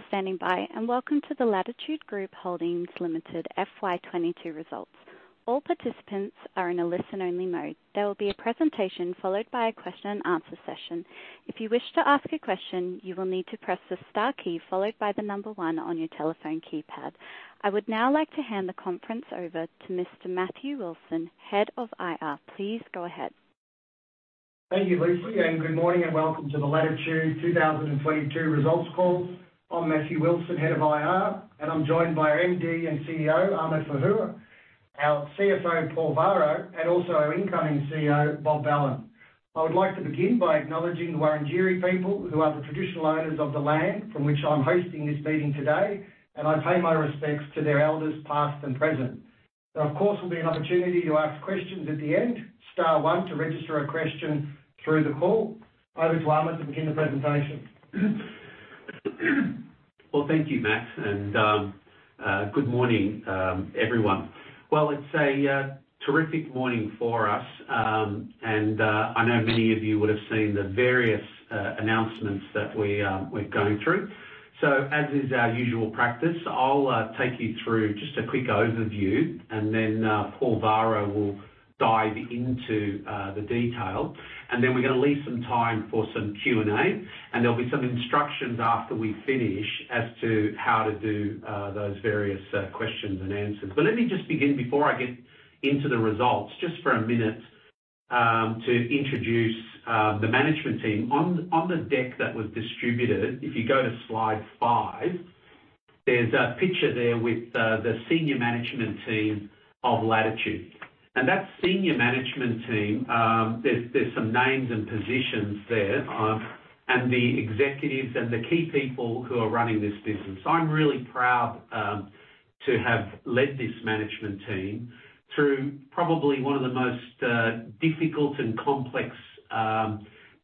Thank you for standing by. Welcome to the Latitude Group Holdings Limited FY 22 results. All participants are in a listen only mode. There will be a presentation followed by a question and answer session. If you wish to ask a question, you will need to press the star key followed by the one on your telephone keypad. I would now like to hand the conference over to Mr. Matthew Wilson, Head of IR. Please go ahead. Thank you, Lucy, and good morning and welcome to the Latitude 2022 results call. I'm Matthew Wilson, Head of IR, and I'm joined by our MD and CEO, Ahmed Fahour, our CFO, Paul Varro, and also our incoming CEO, Bob Belan. I would like to begin by acknowledging the Wurundjeri people who are the traditional owners of the land from which I'm hosting this meeting today, and I pay my respects to their elders, past and present. There of course, will be an opportunity to ask questions at the end. Star one to register a question through the call. Over to Ahmed to begin the presentation. Well, thank you, Matt, and good morning, everyone. Well, it's a terrific morning for us, and I know many of you would have seen the various announcements that we're going through. As is our usual practice, I'll take you through just a quick overview. Then Paul Varro will dive into the detail. Then we're gonna leave some time for some Q&A, and there'll be some instructions after we finish as to how to do those various questions and answers. Let me just begin before I get into the results, just for a minute, to introduce the management team. On the deck that was distributed, if you go to slide 5, there's a picture there with the senior management team of Latitude. That senior management team, there's some names and positions there, and the executives and the key people who are running this business. I'm really proud to have led this management team through probably one of the most difficult and complex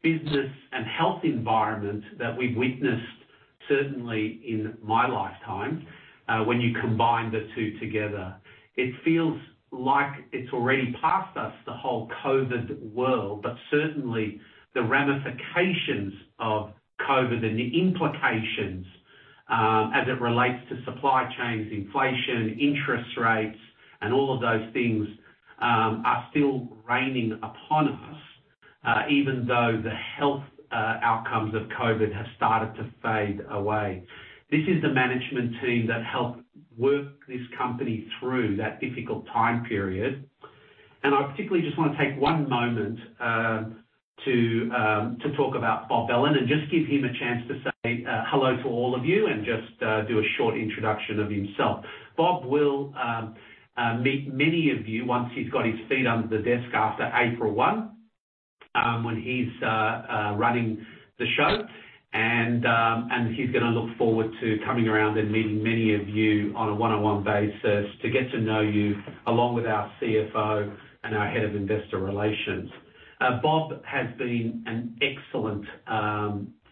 business and health environment that we've witnessed, certainly in my lifetime, when you combine the two together. It feels like it's already past us, the whole COVID world, but certainly the ramifications of COVID and the implications, as it relates to supply chains, inflation, interest rates and all of those things, are still reigning upon us, even though the health outcomes of COVID have started to fade away. This is the management team that helped work this company through that difficult time period. I particularly just want to take one moment to talk about Bob Belan and just give him a chance to say hello to all of you and just do a short introduction of himself. Bob will meet many of you once he's got his feet under the desk after April one, when he's running the show. He's gonna look forward to coming around and meeting many of you on a one-on-one basis to get to know you, along with our CFO and our Head of Investor Relations. Bob has been an excellent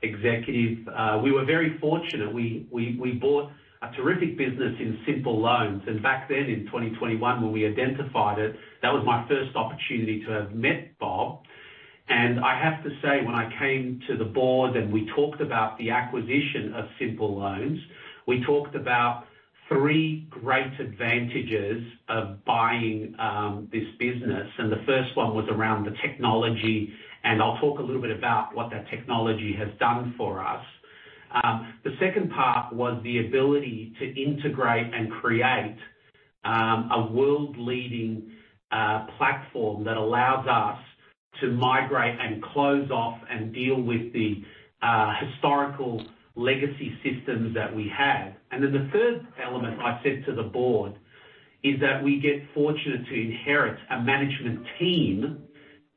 executive. We were very fortunate. We bought a terrific business in Symple. Back then in 2021, when we identified it, that was my first opportunity to have met Bob. I have to say, when I came to the board and we talked about the acquisition of Symple, we talked about three great advantages of buying this business. The first one was around the technology, and I'll talk a little bit about what that technology has done for us. The second part was the ability to integrate and create a world-leading platform that allows us to migrate and close off and deal with the historical legacy systems that we had. The third element I said to the board is that we get fortunate to inherit a management team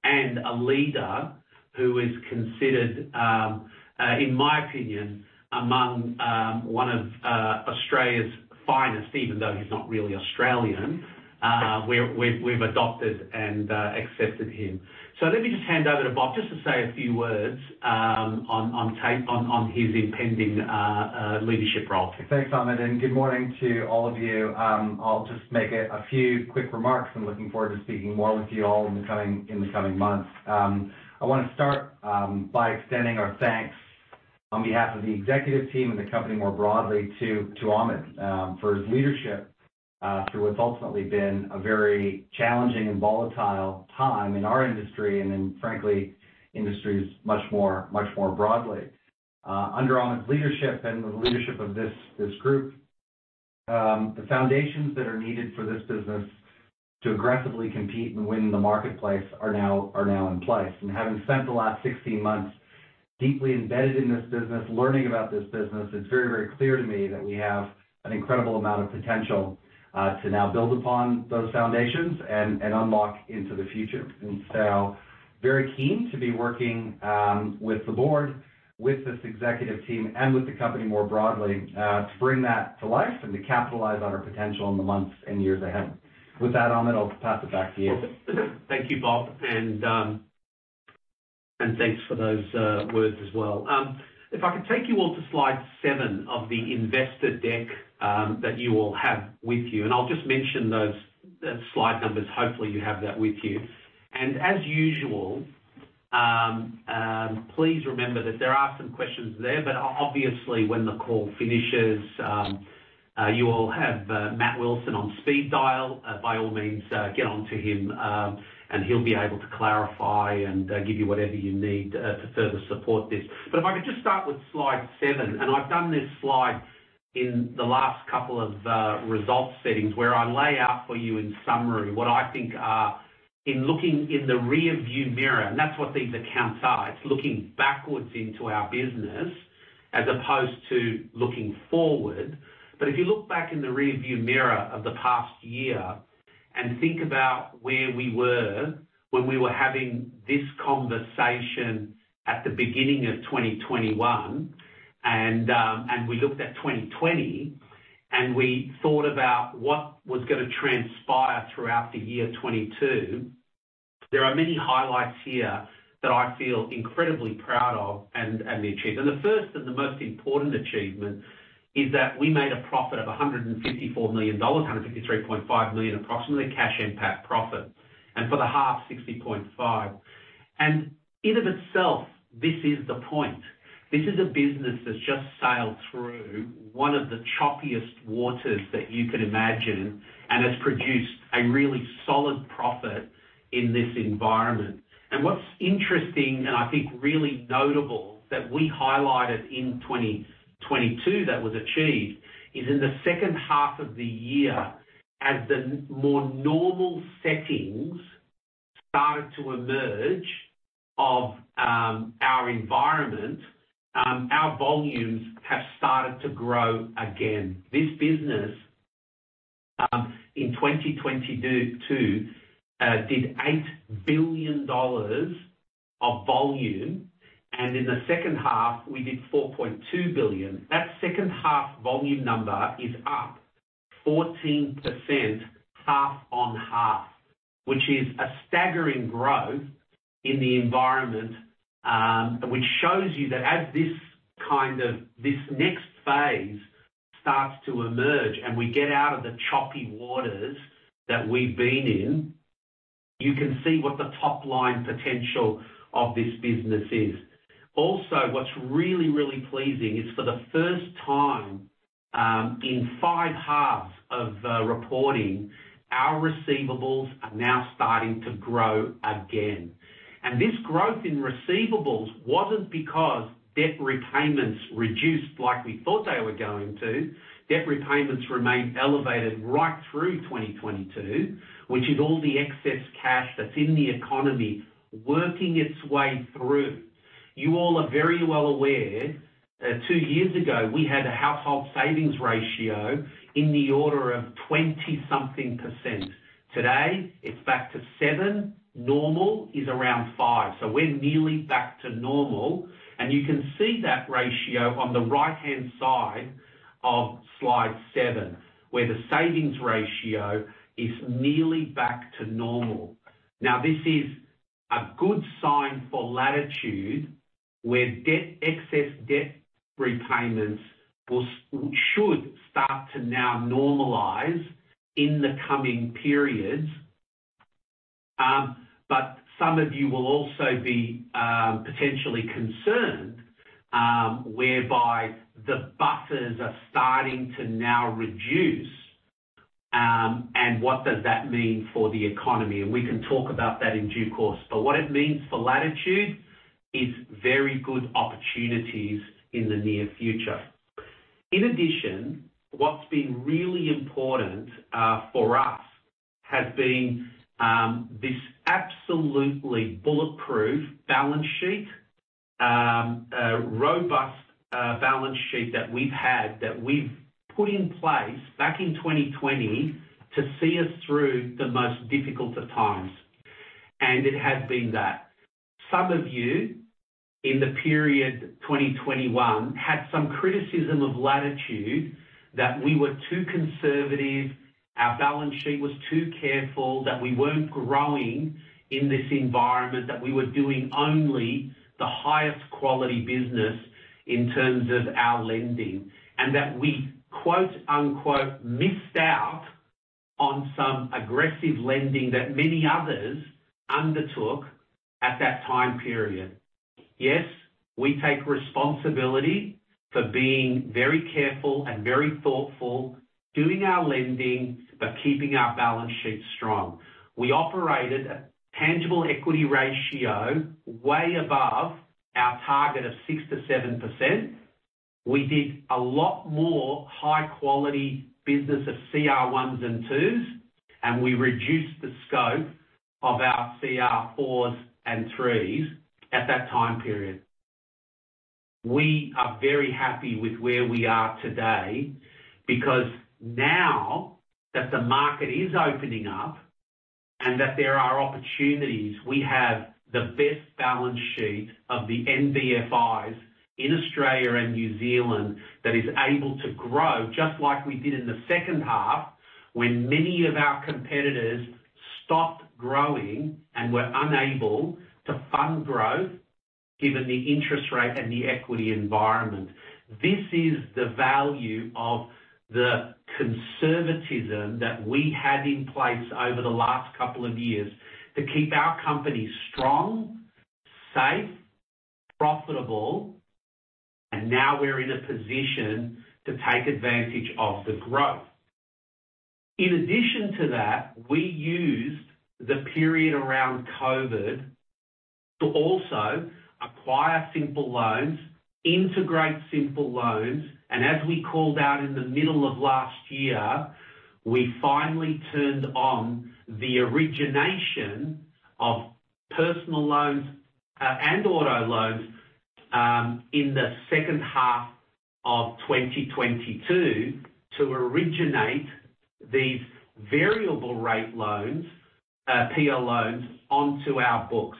and a leader who is considered, in my opinion, among one of Australia's finest even though he's not really Australian. We've adopted and accepted him. Let me just hand over to Bob just to say a few words, on his impending leadership role. Thanks, Ahmed. Good morning to all of you. I'll just make a few quick remarks. I'm looking forward to speaking more with you all in the coming months. I wanna start by extending our thanks on behalf of the executive team and the company more broadly to Ahmed for his leadership through what's ultimately been a very challenging and volatile time in our industry and in, frankly, industries much more broadly. Under Ahmed's leadership and the leadership of this group, the foundations that are needed for this business to aggressively compete and win in the marketplace are now in place. Having spent the last 16 months deeply embedded in this business, learning about this business, it's very, very clear to me that we have an incredible amount of potential, to now build upon those foundations and unlock into the future. Very keen to be working with the board, with this executive team and with the company more broadly, to bring that to life and to capitalize on our potential in the months and years ahead. With that, Ahmed, I'll pass it back to you. Thank you, Bob. Thanks for those words as well. If I could take you all to Slide seven of the investor deck that you all have with you, and I'll just mention those slide numbers. Hopefully, you have that with you. As usual, please remember that there are some questions there, but obviously when the call finishes, you all have Matt Wilson on speed dial. By all means, get onto him, and he'll be able to clarify and give you whatever you need to further support this. If I could just start with Slide seven and I've done this slide in the last couple of results settings where I lay out for you in summary what I think are, in looking in the rearview mirror, and that's what these accounts are. It's looking backwards into our business as opposed to looking forward. If you look back in the rearview mirror of the past year and think about where we were when we were having this conversation at the beginning of 2021, and we looked at 2020, and we thought about what was gonna transpire throughout the year 2022. There are many highlights here that I feel incredibly proud of and achieved. The first and the most important achievement is that we made a profit of $154 million, $153.5 million, approximately cash NPAT profit, and for the half, $60.5 million. In of itself, this is the point. This is a business that's just sailed through one of the choppiest waters that you could imagine, and it's produced a really solid profit in this environment. What's interesting, and I think really notable, that we highlighted in 2022 that was achieved, is in the second half of the year, as the more normal settings started to emerge of our environment, our volumes have started to grow again. This business in 2022 did 8 billion dollars of volume, and in the second half we did 4.2 billion. That second half volume number is up 14% half on half, which is a staggering growth in the environment, which shows you that as this next phase starts to emerge and we get out of the choppy waters that we've been in, you can see what the top line potential of this business is. What's really, really pleasing is for the first time, in five halves of reporting, our receivables are now starting to grow again. This growth in receivables wasn't because debt repayments reduced like we thought they were going to. Debt repayments remained elevated right through 2022, which is all the excess cash that's in the economy working its way through. You all are very well aware, two years ago, we had a household savings ratio in the order of 20 something%. Today, it's back to seven. Normal is around five. We're nearly back to normal. You can see that ratio on the right-hand side of slide seven, where the savings ratio is nearly back to normal. This is a good sign for Latitude, where excess debt repayments should start to now normalize in the coming periods. Some of you will also be potentially concerned, whereby the buffers are starting to now reduce, and what does that mean for the economy? We can talk about that in due course. What it means for Latitude is very good opportunities in the near future. In addition, what's been really important for us has been this absolutely bulletproof balance sheet, a robust balance sheet that we've had, that we've put in place back in 2020 to see us through the most difficult of times. It has been that. Some of you in the period 2021 had some criticism of Latitude that we were too conservative, our balance sheet was too careful, that we weren't growing in this environment, that we were doing only the highest quality business in terms of our lending, and that we, quote-unquote, "missed out" on some aggressive lending that many others undertook at that time period. Yes, we take responsibility for being very careful and very thoughtful doing our lending, but keeping our balance sheet strong. We operated a tangible equity ratio way above our target of 6%-7%. We did a lot more high quality business of CR ones and twos, and we reduced the scope of our CR fours and threes at that time period. We are very happy with where we are today because now that the market is opening up and that there are opportunities, we have the best balance sheet of the NBFIs in Australia and New Zealand that is able to grow just like we did in the second half when many of our competitors stopped growing and were unable to fund growth. Given the interest rate and the equity environment, this is the value of the conservatism that we had in place over the last couple of years to keep our company strong, safe, profitable, and now we're in a position to take advantage of the growth. In addition to that, we used the period around COVID to also acquire Symple, integrate Symple, and as we called out in the middle of last year, we finally turned on the origination of Personal Loans and auto loans in the second half of 2022 to originate these variable rate loans, PL loans, onto our books.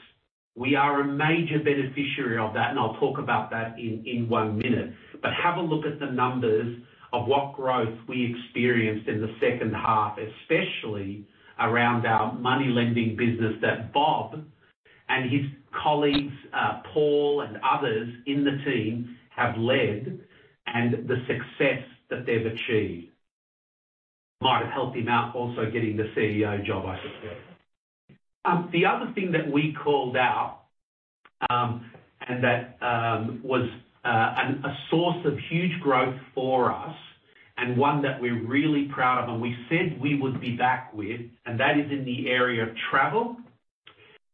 We are a major beneficiary of that, and I'll talk about that in one minute. Have a look at the numbers of what growth we experienced in the second half, especially around our money lending business that Bob and his colleagues, Paul and others in the team have led, and the success that they've achieved. Might have helped him out also getting the CEO job, I suspect. The other thing that we called out, and that was a source of huge growth for us and one that we're really proud of, and we said we would be back with, and that is in the area of travel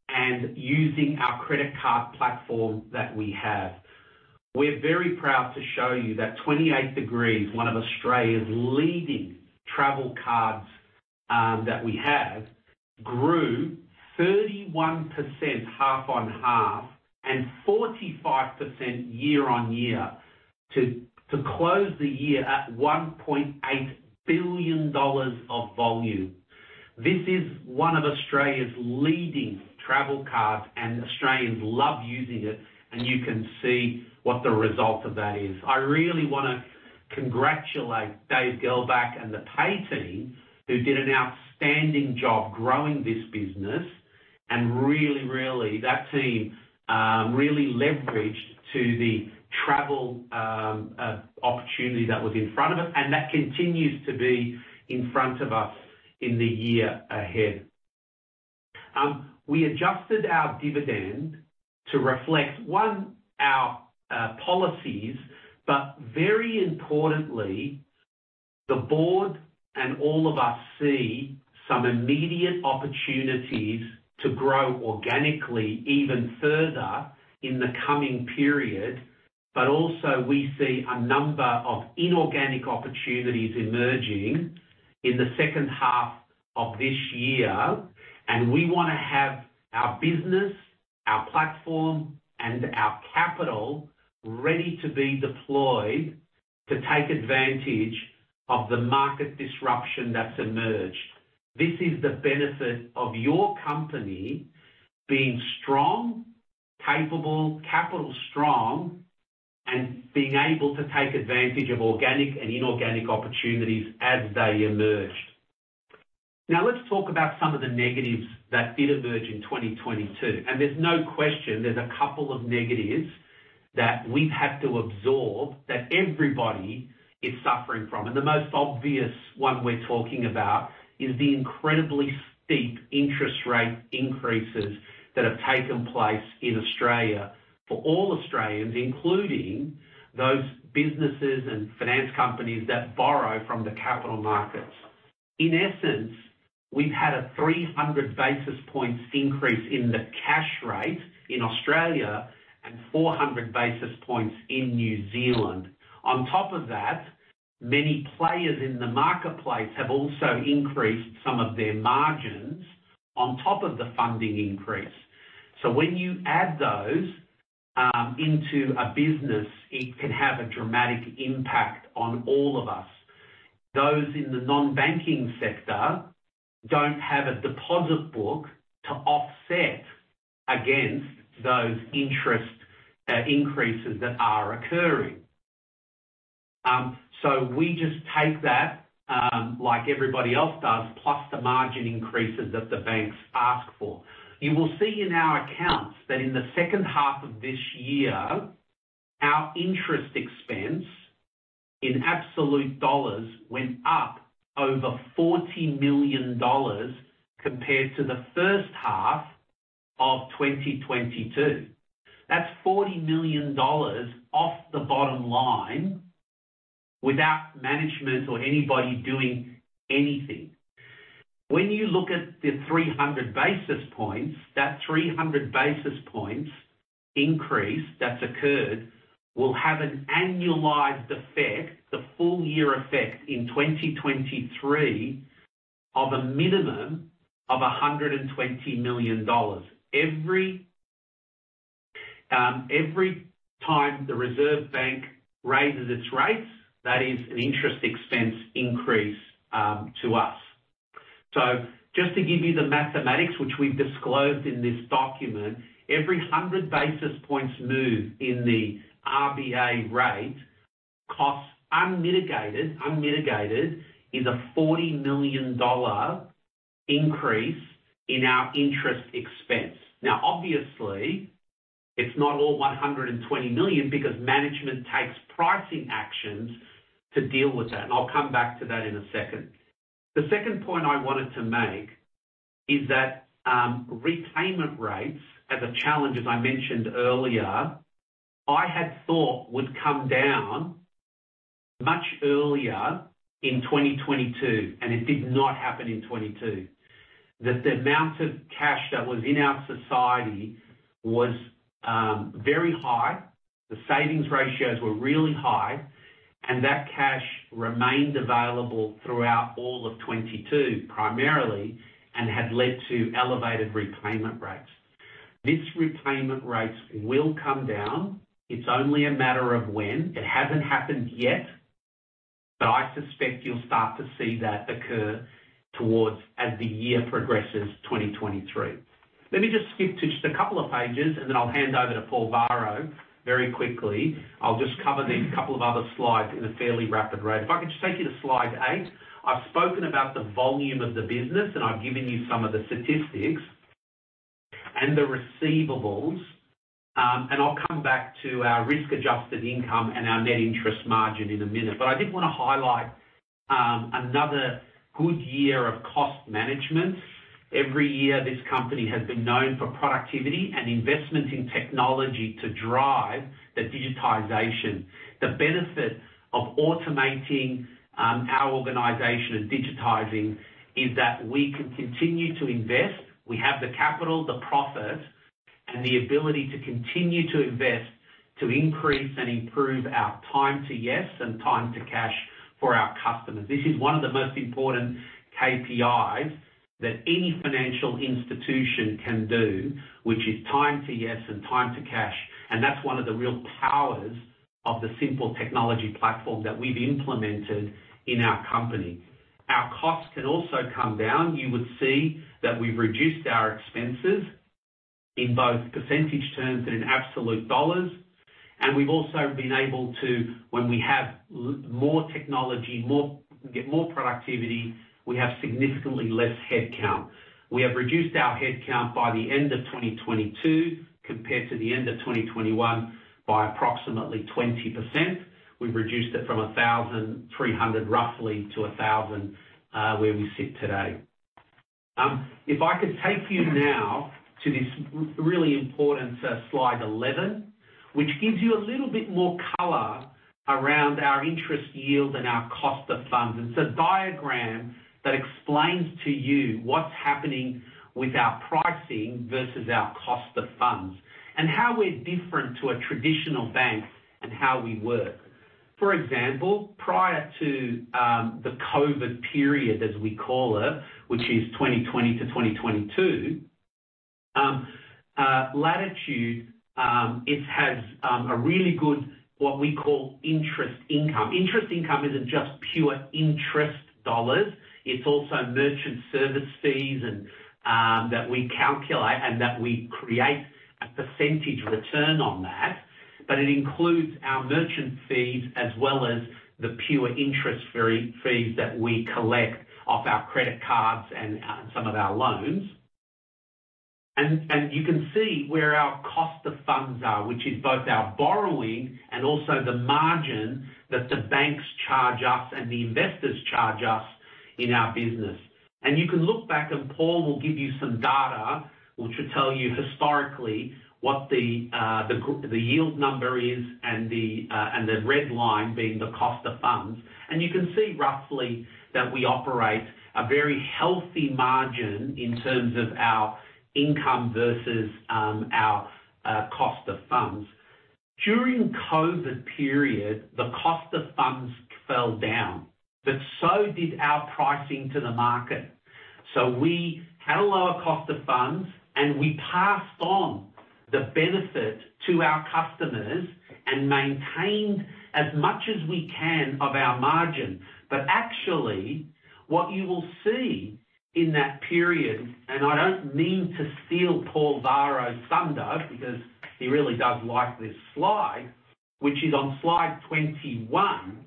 and using our credit card platform that we have. We're very proud to show you that 28 Degrees, one of Australia's leading travel cards, that we have, grew 31% half-on-half and 45% year-on-year to close the year at 1.8 billion dollars of volume. This is one of Australia's leading travel cards, and Australians love using it, and you can see what the result of that is. I really wanna congratulate David Gelberg and the pay team who did an outstanding job growing this business, and really, that team really leveraged to the travel opportunity that was in front of us and that continues to be in front of us in the year ahead. We adjusted our dividend to reflect, one, our policies, but very importantly, the board and all of us see some immediate opportunities to grow organically even further in the coming period, but also we see a number of inorganic opportunities emerging in the second half of this year. We wanna have our business, our platform, and our capital ready to be deployed to take advantage of the market disruption that's emerged. This is the benefit of your company being strong, capable, capital strong, and being able to take advantage of organic and inorganic opportunities as they emerge. Let's talk about some of the negatives that did emerge in 2022. There's no question, there's a couple of negatives that we've had to absorb that everybody is suffering from. The most obvious one we're talking about is the incredibly steep interest rate increases that have taken place in Australia for all Australians, including those businesses and finance companies that borrow from the capital markets. In essence, we've had a 300 basis points increase in the cash rate in Australia and 400 basis points in New Zealand. On top of that, many players in the marketplace have also increased some of their margins on top of the funding increase. When you add those into a business, it can have a dramatic impact on all of us. Those in the non-banking sector don't have a deposit book to offset against those interest increases that are occurring. We just take that, like everybody else does, plus the margin increases that the banks ask for. You will see in our accounts that in the second half of this year, our interest expense in absolute dollars went up over $40 million compared to the first half of 2022. That's $40 million off the bottom line without management or anybody doing anything. When you look at the 300 basis points, that 300 basis points increase that's occurred will have an annualized effect, the full year effect in 2023 of a minimum of $120 million. Every, every time the Reserve Bank raises its rates, that is an interest expense increase to us. Just to give you the mathematics which we've disclosed in this document, every 100 basis points move in the RBA rate costs unmitigated is a 40 million dollar increase in our interest expense. Obviously, it's not all 120 million because management takes pricing actions to deal with that, and I'll come back to that in a second. The second point I wanted to make is that repayment rates as a challenge, as I mentioned earlier, I had thought would come down much earlier in 2022, and it did not happen in 2022. The amount of cash that was in our society was very high. The savings ratios were really high, and that cash remained available throughout all of 2022, primarily, and had led to elevated repayment rates. These repayment rates will come down. It's only a matter of when. It hasn't happened yet, but I suspect you'll start to see that occur towards as the year progresses, 2023. Let me just skip to just a couple of pages, and then I'll hand over to Paul Varro very quickly. I'll just cover these couple of other slides in a fairly rapid rate. If I could just take you to slide eight. I've spoken about the volume of the business, and I've given you some of the statistics and the receivables, and I'll come back to our risk-adjusted income and our net interest margin in a minute. I did want to highlight another good year of cost management. Every year, this company has been known for productivity and investment in technology to drive the digitization. The benefit of automating, our organization and digitizing is that we can continue to invest. We have the capital, the profit, and the ability to continue to invest to increase and improve our time to, yes, and time to cash for our customers. This is one of the most important KPIs that any financial institution can do, which is time to, yes, and time to cash. That's one of the real powers of the Symple technology platform that we've implemented in our company. Our costs can also come down. You would see that we've reduced our expenses in both percentage terms and in absolute dollars. We've also been able to, when we have more technology, get more productivity, we have significantly less headcount. We have reduced our headcount by the end of 2022 compared to the end of 2021 by approximately 20%. We've reduced it from 1,300, roughly, to 1,000, where we sit today. If I could take you now to this really important slide 11, which gives you a little bit more color around our interest yield and our cost of funds. It's a diagram that explains to you what's happening with our pricing versus our cost of funds and how we're different to a traditional bank and how we work. For example, prior to the COVID period, as we call it, which is 2020 to 2022, Latitude, it has a really good, what we call interest income. Interest income isn't just pure interest dollars. It's also merchant service fees that we calculate and that we create a pecentage return on that. It includes our merchant fees as well as the pure interest fee, fees that we collect off our credit cards and some of our loans. You can see where our cost of funds are, which is both our borrowing and also the margin that the banks charge us and the investors charge us in our business. You can look back and Paul will give you some data, which will tell you historically what the yield number is and the red line being the cost of funds. You can see roughly that we operate a very healthy margin in terms of our income versus our cost of funds. During COVID period, the cost of funds fell down, so did our pricing to the market. We had a lower cost of funds, and we passed on the benefit to our customers and maintained as much as we can of our margin. Actually, what you will see in that period, and I don't mean to steal Paul Varro's thunder because he really does like this slide, which is on slide 21.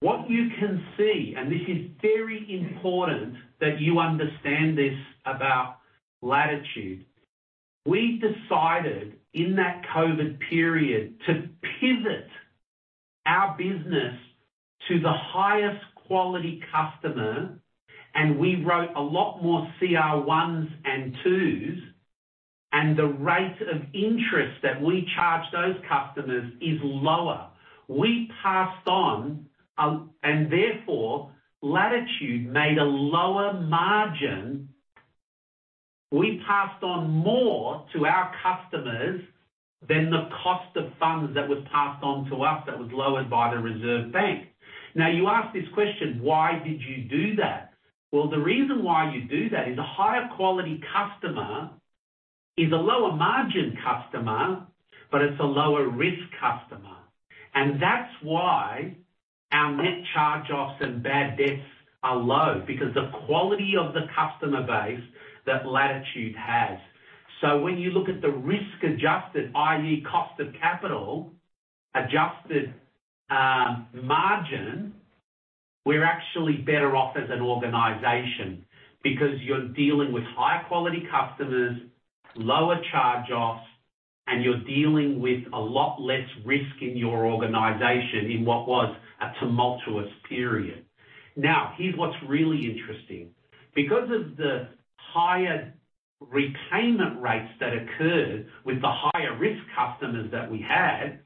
What you can see, this is very important that you understand this about Latitude. We decided in that COVID period to pivot our business to the highest quality customer, and we wrote a lot more CR ones and twos, and the rate of interest that we charge those customers is lower. We passed on, therefore, Latitude made a lower margin. We passed on more to our customers than the cost of funds that was passed on to us that was lowered by the Reserve Bank. You ask this question, "Why did you do that?" Well, the reason why you do that is a higher quality customer is a lower margin customer, but it's a lower risk customer. Our net charge offs and bad debts are low because the quality of the customer base that Latitude has. When you look at the risk-adjusted, i.e., cost of capital, adjusted, margin, we're actually better off as an organization because you're dealing with high quality customers, lower charge-offs, and you're dealing with a lot less risk in your organization in what was a tumultuous period. Here's what's really interesting. Because of the higher repayment rates that occurred with the higher-risk customers that we had,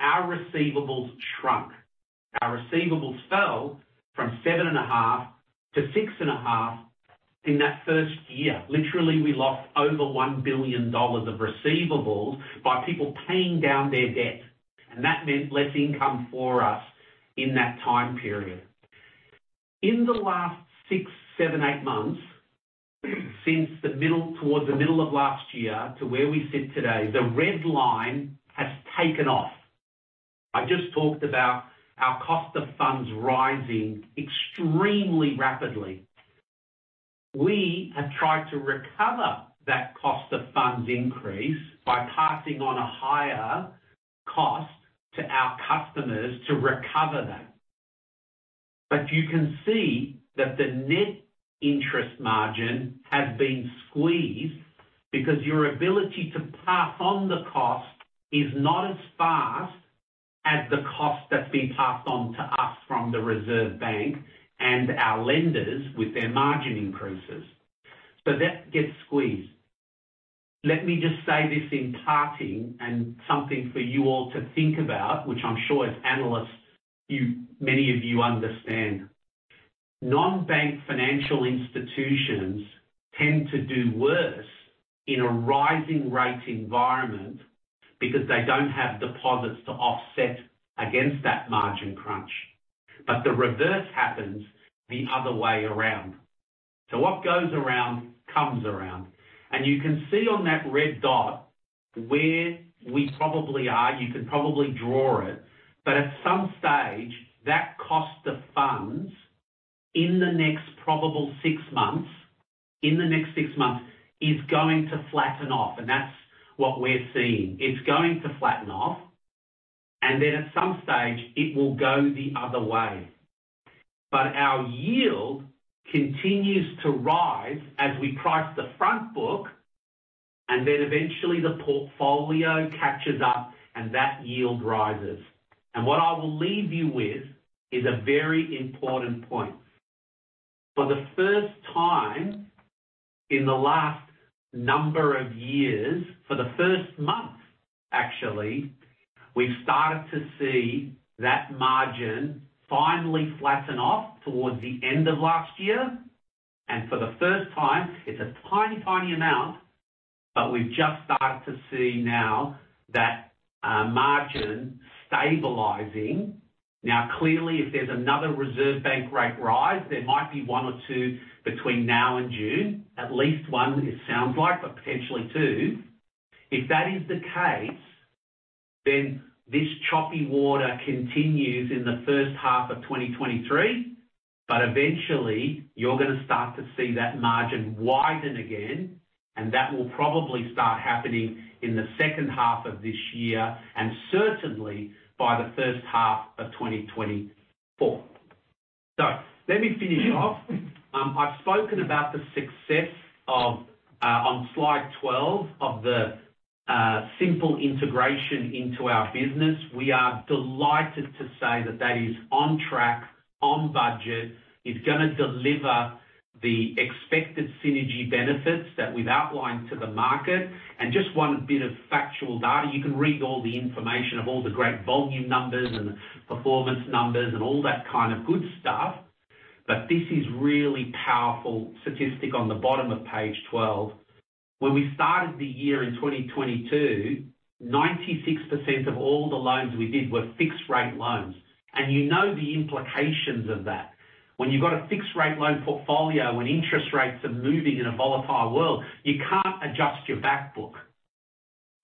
our receivables shrunk. Our receivables fell from seven and a half to six and a half in that first year. Literally, we lost over 1 billion dollars of receivables by people paying down their debt. That meant less income for us in that time period. In the last six, seven, eight months, since towards the middle of last year to where we sit today, the red line has taken off. I just talked about our cost of funds rising extremely rapidly. We have tried to recover that cost of funds increase by passing on a higher cost to our customers to recover that. You can see that the net interest margin has been squeezed because your ability to pass on the cost is not as fast as the cost that's been passed on to us from the Reserve Bank and our lenders with their margin increases. That gets squeezed. Let me just say this in parting and something for you all to think about, which I'm sure as analysts, you, many of you understand. Non-bank financial institutions tend to do worse in a rising rate environment because they don't have deposits to offset against that margin crunch. The reverse happens the other way around. What goes around, comes around. You can see on that red dot where we probably are, you can probably draw it, at some stage, that cost of funds in the next probable six months, in the next six months, is going to flatten off. That's what we're seeing. It's going to flatten off, at some stage, it will go the other way. Our yield continues to rise as we price the front book, and then eventually the portfolio catches up and that yield rises. What I will leave you with is a very important point. For the first time in the last number of years, for the first month, actually, we've started to see that margin finally flatten off towards the end of last year. For the first time, it's a tiny amount, but we've just started to see now that margin stabilizing. Clearly, if there's another Reserve Bank rate rise, there might be one or two between now and June, at least one, it sounds like, but potentially two. If that is the case, this choppy water continues in the first half of 2023, but eventually, you're gonna start to see that margin widen again, and that will probably start happening in the second half of this year and certainly by the first half of 2024. Let me finish off. I've spoken about the success of on slide 12 of the Symple integration into our business. We are delighted to say that that is on track, on budget. It's gonna deliver the expected synergy benefits that we've outlined to the market. Just 1 bit of factual data. You can read all the information of all the great volume numbers and performance numbers and all that kind of good stuff. This is really powerful statistic on the bottom of page 12. When we started the year in 2022, 96% of all the loans we did were fixed-rate loans. You know the implications of that. When you've got a fixed rate loan portfolio, when interest rates are moving in a volatile world, you can't adjust your back book.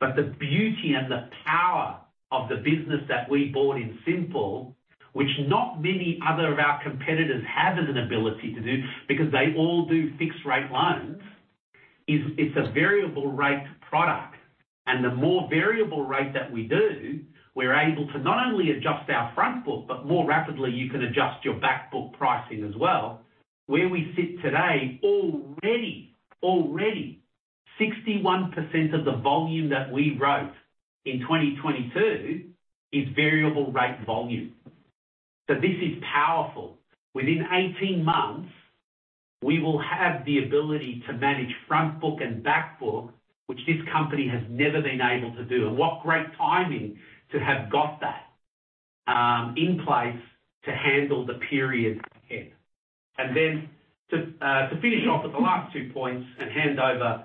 The beauty and the power of the business that we bought in Symple, which not many other of our competitors have an ability to do because they all do fixed-rate loans, is it's a variable rate product. The more variable-rate that we do, we're able to not only adjust our front book, but more rapidly you can adjust your back book pricing as well. Where we sit today, already 61% of the volume that we wrote in 2022 is variable-rate volume. This is powerful. Within 18 months, we will have the ability to manage front book and back book, which this company has never been able to do. What great timing to have got that in place to handle the period ahead. To finish off with the last two points and hand over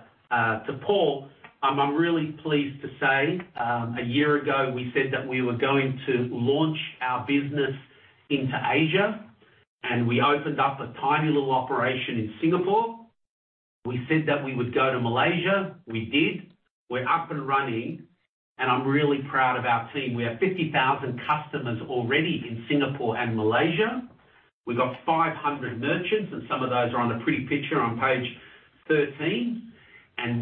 to Paul, I'm really pleased to say, one year ago, we said that we were going to launch our business into Asia, and we opened up a tiny little operation in Singapore. We said that we would go to Malaysia. We did. We're up and running, and I'm really proud of our team. We have 50,000 customers already in Singapore and Malaysia. We've got 500 merchants, and some of those are on the pretty picture on page 13.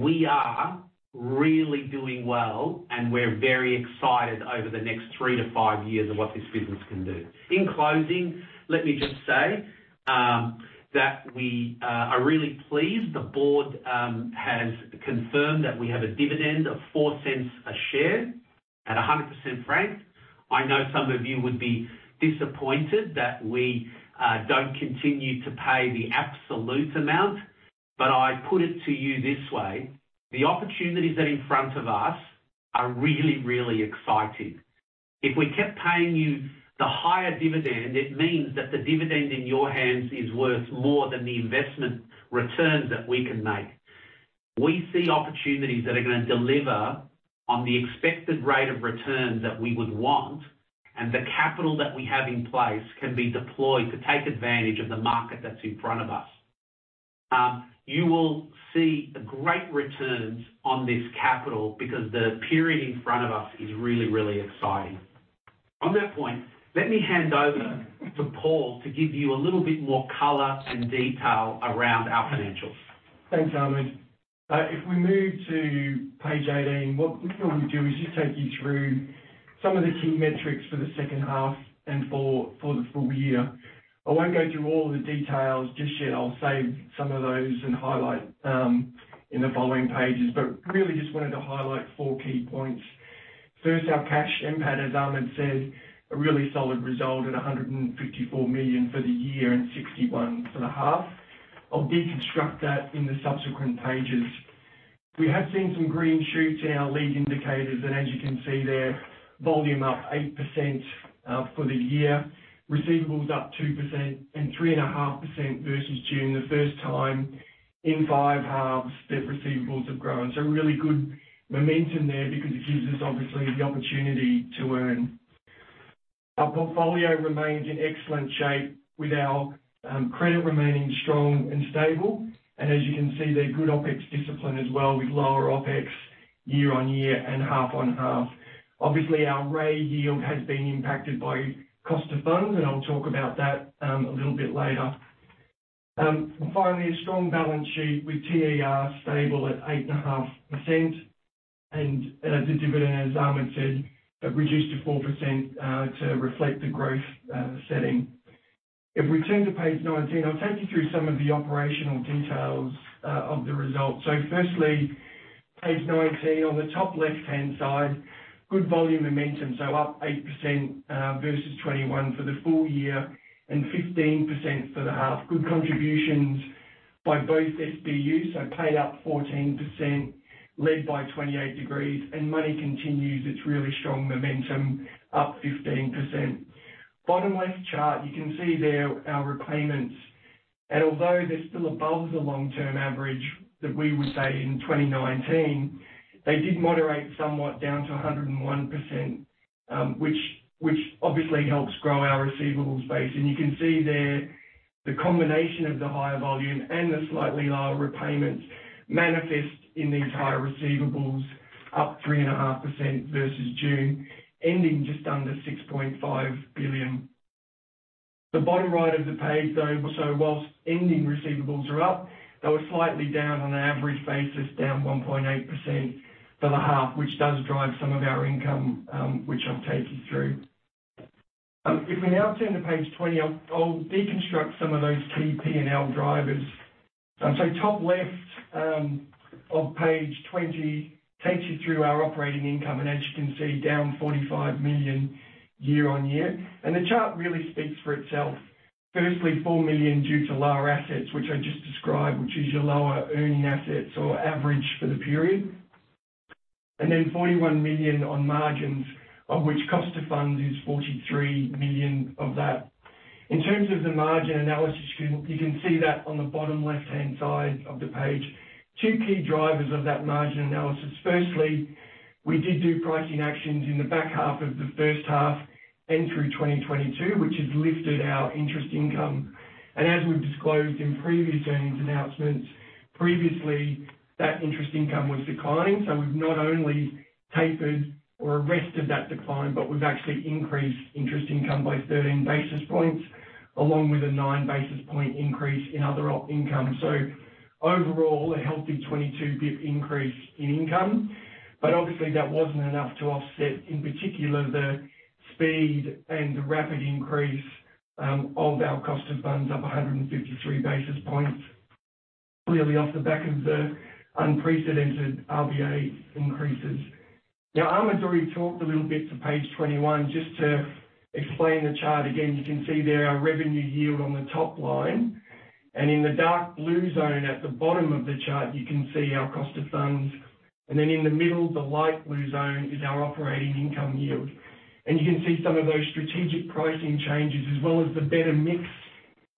We are really doing well, and we're very excited over the next three to five years of what this business can do. In closing, let me just say that we are really pleased. The board has confirmed that we have a dividend of 0.04 a share at 100% frank. I know some of you would be disappointed that we don't continue to pay the absolute amount, but I put it to you this way, the opportunities that are in front of us are really, really exciting. If we kept paying you the higher dividend, it means that the dividend in your hands is worth more than the investment returns that we can make. We see opportunities that are gonna deliver on the expected rate of return that we would want, and the capital that we have in place can be deployed to take advantage of the market that's in front of us. You will see great returns on this capital because the period in front of us is really, really exciting. On that point, let me hand over to Paul to give you a little bit more color and detail around our financials. Thanks, Ahmed. If we move to page 18, what we'll do is just take you through some of the key metrics for the second half and for the full year. I won't go through all of the details just yet. I'll save some of those and highlight in the following pages, but really just wanted to highlight four key points. First, our cash NPAT, as Ahmed said, a really solid result at $154 million for the year and 61 for the half. I'll deconstruct that in the subsequent pages. We have seen some green shoots in our lead indicators, and as you can see there, volume up 8% for the year, receivables up 2% and 3.5% versus June, the first time in five halves that receivables have grown. Really good momentum there because it gives us obviously the opportunity to earn. Our portfolio remains in excellent shape with our credit remaining strong and stable. As you can see there, good OpEx discipline as well with lower OpEx year-over-year and half-on-half. Obviously, our RAI yield has been impacted by cost of funds, and I'll talk about that a little bit later. Finally, a strong balance sheet with TER stable at 8.5%. As the dividend, as Ahmed said, reduced to 4% to reflect the growth setting. If we turn to page 19, I'll take you through some of the operational details of the results. firstly, page 19, on the top left-hand side, good volume momentum, up 8% versus 2021 for the full year and 15% for the half. Good contributions by both SBUs. paid up 14%, led by 28 Degrees, and money continues its really strong momentum, up 15%. Bottom left chart, you can see there our repayments. Although they're still above the long-term average that we would say in 2019, they did moderate somewhat down to 101%, which obviously helps grow our receivables base. You can see there the combination of the higher volume and the slightly lower repayments manifest in these higher receivables, up 3.5% versus June, ending just under 6.5 billion. The bottom right of the page, whilst ending receivables are up, they were slightly down on an average basis, down 1.8% for the half, which does drive some of our income, which I'll take you through. If we now turn to page 20, I'll deconstruct some of those key P&L drivers. Top left of page 20 takes you through our operating income, and as you can see, down 45 million year-on-year. The chart really speaks for itself. Firstly, 4 million due to lower assets, which I just described, which is your lower earning assets or average for the period. 41 million on margins, of which cost of funds is 43 million of that. In terms of the margin analysis, you can see that on the bottom left-hand side of the page. Two key drivers of that margin analysis. We did do pricing actions in the back half of the first half and through 2022, which has lifted our interest income. As we've disclosed in previous earnings announcements, previously, that interest income was declining. We've not only tapered or arrested that decline, but we've actually increased interest income by 13 basis points, along with a nine basis point increase in other Op income. Overall, a healthy 22 BP increase in income, but obviously that wasn't enough to offset, in particular, the speed and the rapid increase of our cost of funds up 153 basis points, clearly off the back of the unprecedented RBA increases. Ahmed's already talked a little bit to page 21. Just to explain the chart again, you can see there our revenue yield on the top line. In the dark blue zone at the bottom of the chart, you can see our cost of funds. In the middle, the light blue zone is our operating income yield. You can see some of those strategic pricing changes, as well as the better mix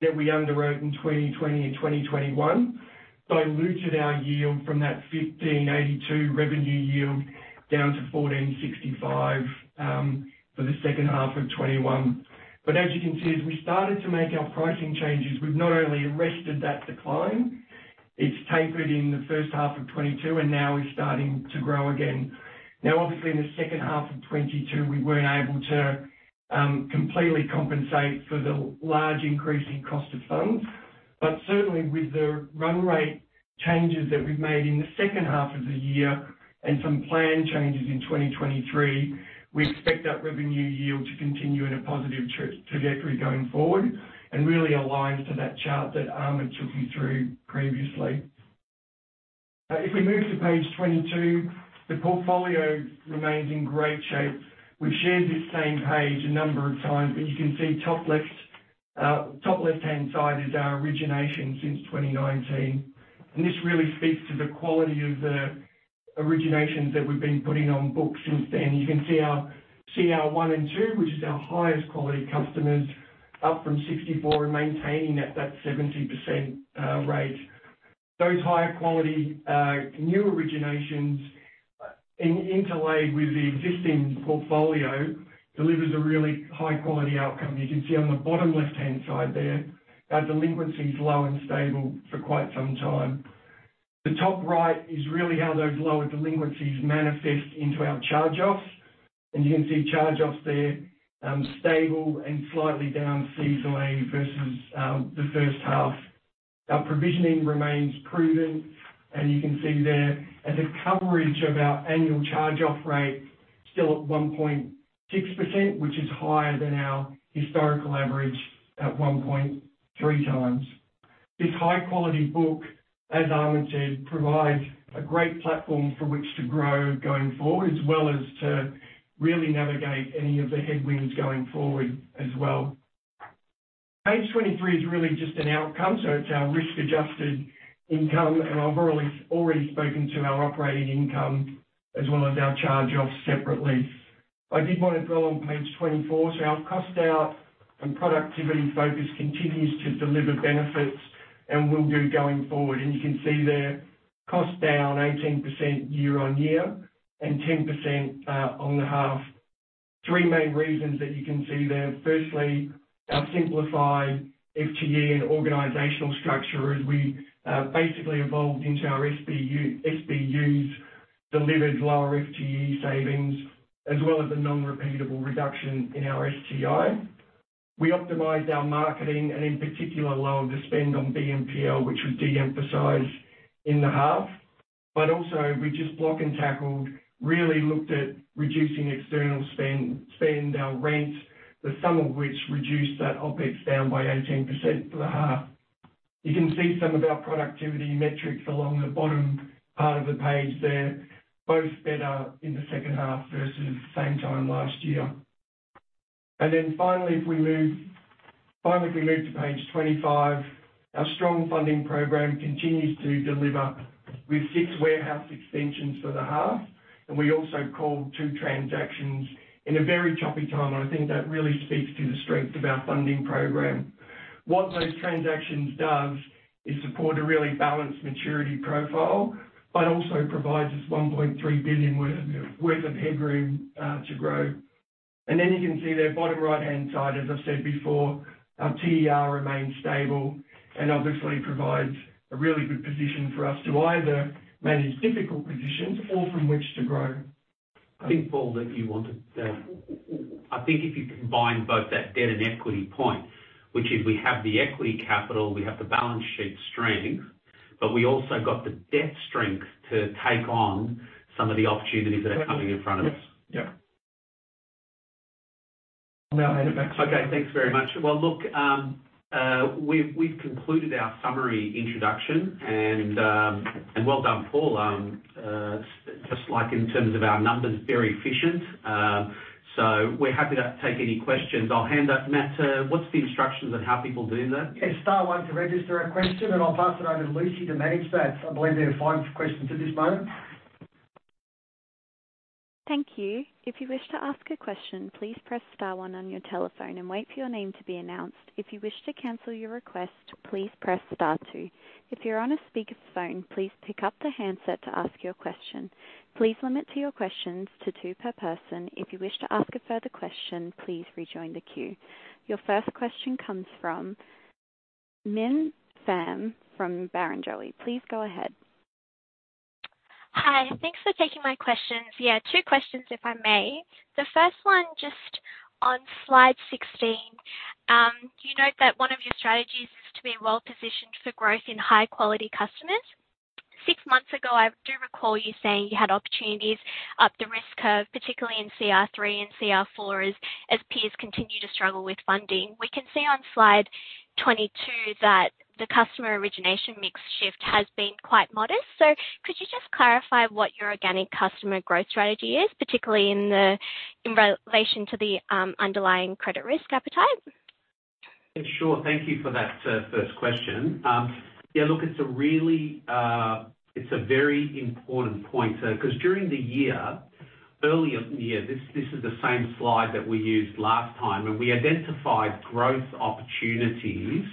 that we underwrote in 2020 and 2021 diluted our yield from that 1,582 revenue yield down to 1,465 for the second half of 2021. As you can see, as we started to make our pricing changes, we've not only arrested that decline, it's tapered in the first half of 2022, and now it's starting to grow again. Obviously in the second half of 2022, we weren't able to completely compensate for the large increase in cost of funds. Certainly with the run rate changes that we've made in the second half of the year and some plan changes in 2023, we expect that revenue yield to continue in a positive trajectory going forward and really aligns to that chart that Ahmed took you through previously. If we move to page 22, the portfolio remains in great shape. We've shared this same page a number of times, but you can see top left. Top left hand side is our origination since 2019, and this really speaks to the quality of the originations that we've been putting on book since then. You can see our CR one and two, which is our highest quality customers, up from 64 and maintaining at that 70% rate. Those higher quality new originations interlayed with the existing portfolio delivers a really high-quality outcome. You can see on the bottom left-hand side there, our delinquency is low and stable for quite some time. The top right is really how those lower delinquencies manifest into our charge-offs. You can see charge offs there, stable and slightly down seasonally versus the first half. Our provisioning remains proven. You can see there as a coverage of our annual charge-off rate still at 1.6%, which is higher than our historical average at 1.3x. This high quality book, as Ahmed said, provides a great platform for which to grow going forward, as well as to really navigate any of the headwinds going forward as well. Page 23 is really just an outcome, so it's our risk-adjusted income. I've already spoken to our operating income as well as our charge offs separately. I did want to go on page 24. Our cost-out and productivity focus continues to deliver benefits and will do going forward. You can see there, cost down 18% year-on-year and 10% on the half. Three main reasons that you can see there. Firstly, our simplified FTE and organizational structure as we basically evolved into our SBUs, delivered lower FTE savings, as well as a non-repeatable reduction in our STI. We optimized our marketing and, in particular, lowered the spend on BNPL, which was de-emphasized in the half. Also we just block-and-tackled, really looked at reducing external spend our rent, the sum of which reduced that OpEx down by 18% for the half. You can see some of our productivity metrics along the bottom part of the page. They're both better in the second half versus same time last year. Finally, if we move to page 25, our strong funding program continues to deliver with six warehouse extensions for the half. We also called two transactions in a very choppy time. I think that really speaks to the strength of our funding program. What those transactions does is support a really balanced maturity profile, but also provides us 1.3 billion worth of headroom to grow. You can see there, bottom right-hand side, as I said before, our TER remains stable and obviously provides a really good position for us to either manage difficult positions or from which to grow. I think, Paul, that you wanted, I think if you combine both that debt and equity point, which is we have the equity capital, we have the balance sheet strength, but we also got the debt strength to take on some of the opportunities that are coming in front of us. Yeah. I'll now hand it back to you. Okay, thanks very much. Look, we've concluded our summary introduction and well done, Paul. Just like in terms of our numbers, very efficient. We're happy to take any questions. I'll hand up Matt. What's the instructions on how people do that? Yeah, star one to register a question. I'll pass it over to Lucy to manage that. I believe there are 5 questions at this moment. Thank you. If you wish to ask a question, please press star one on your telephone and wait for your name to be announced. If you wish to cancel your request, please press star two. If you're on a speaker's phone, please pick up the handset to ask your question. Please limit to your questions to two per person. If you wish to ask a further question, please rejoin the queue. Your first question comes from Samuel Se-Min Cho from Barrenjoey. Please go ahead. Hi. Thanks for taking my questions. Yeah, two questions if I may. The first one just on slide 16. You note that one of your strategies is to be well-positioned for growth in high-quality customers. Six months ago, I do recall you saying you had oppotunities up the risk curve, particularly in CR three and CR four as peers continue to struggle with funding. We can see on slide 22 that the customer origination mix shift has been quite modest. Could you just clarify what your organic customer growth strategy is, particularly in relation to the underlying credit risk appetite? Sure. Thank you for that first question. It's a really, it's a very important point 'cause during the year, early of the year, this is the same slide that we used last time when we identified growth opportunities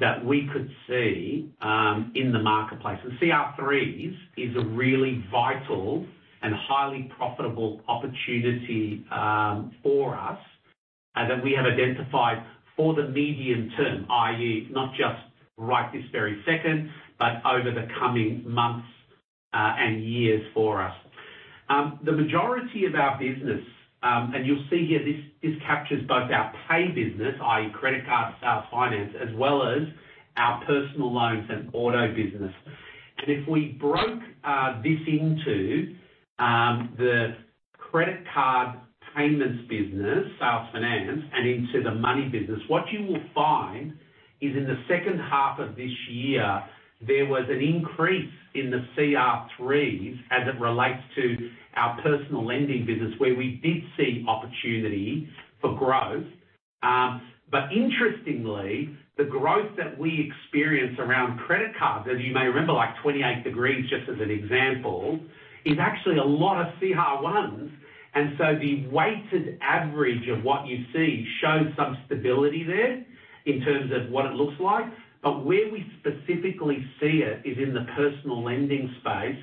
that we could see in the marketplace. The CR-3s is a really vital and highly profitable opportunity for us that we have identified for the medium term, i.e., not just right this very second, but over the coming months and years for us. The majority of our business, this captures both our pay business, i.e., credit card finance, as well as our personal loans and auto business. If we broke this into the credit card payments business, sales finance, and into the money business, what you will find is in the second half of this year, there was an increase in the CR-3s as it relates to our personal lending business, where we did see opportunity for growth. Interestingly, the growth that we experienced around credit cards, as you may remember, like 28 Degrees, just as an example, is actually a lot of CR-1s. The weighted average of what you see shows some stability there in terms of what it looks like. Where we specifically see it is in the personal lending space,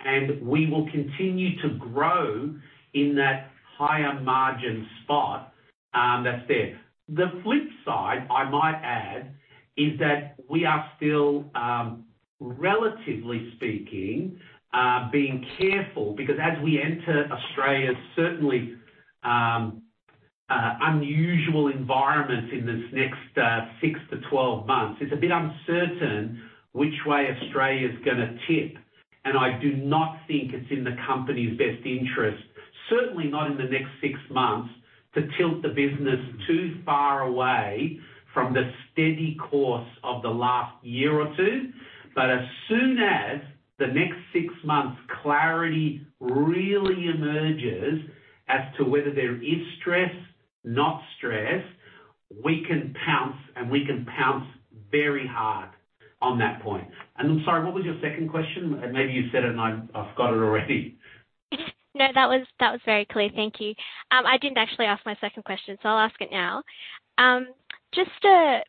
and we will continue to grow in that higher margin spot that's there. The flip side, I might add, is that we are still, relatively speaking, being careful because as we enter Australia, certainly, unusual environments in this next six to 12 months, it's a bit uncertain which way Australia is gonna tip. I do not think it's in the company's best interest, certainly not in the next 6 months, to tilt the business too far away from the steady course of the last year or two. As soon as the next six months, clarity really emerges as to whether there is stress, not stress, we can pounce, and we can pounce very hard on that point. I'm sorry, what was your second question? Maybe you said it and I've got it already. No, that was very clear. Thank you. I didn't actually ask my second question. I'll ask it now. Just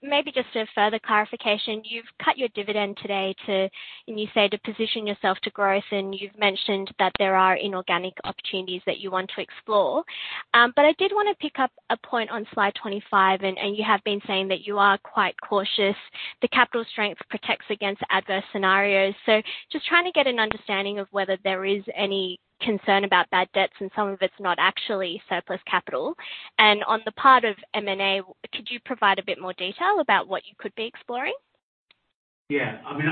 maybe a further clarification. You've cut your dividend today. You said to position yourself to growth, and you've mentioned that there are inorganic opportunities that you want to explore. I did wanna pick up a point on slide 25, and you have been saying that you are quite cautious. The capital strength protects against adverse scenarios. Just trying to get an understanding of whether there is any concern about bad debts and some of it's not actually surplus capital. On the part of M&A, could you provide a bit more detail about what you could be exploring? Yeah. I mean,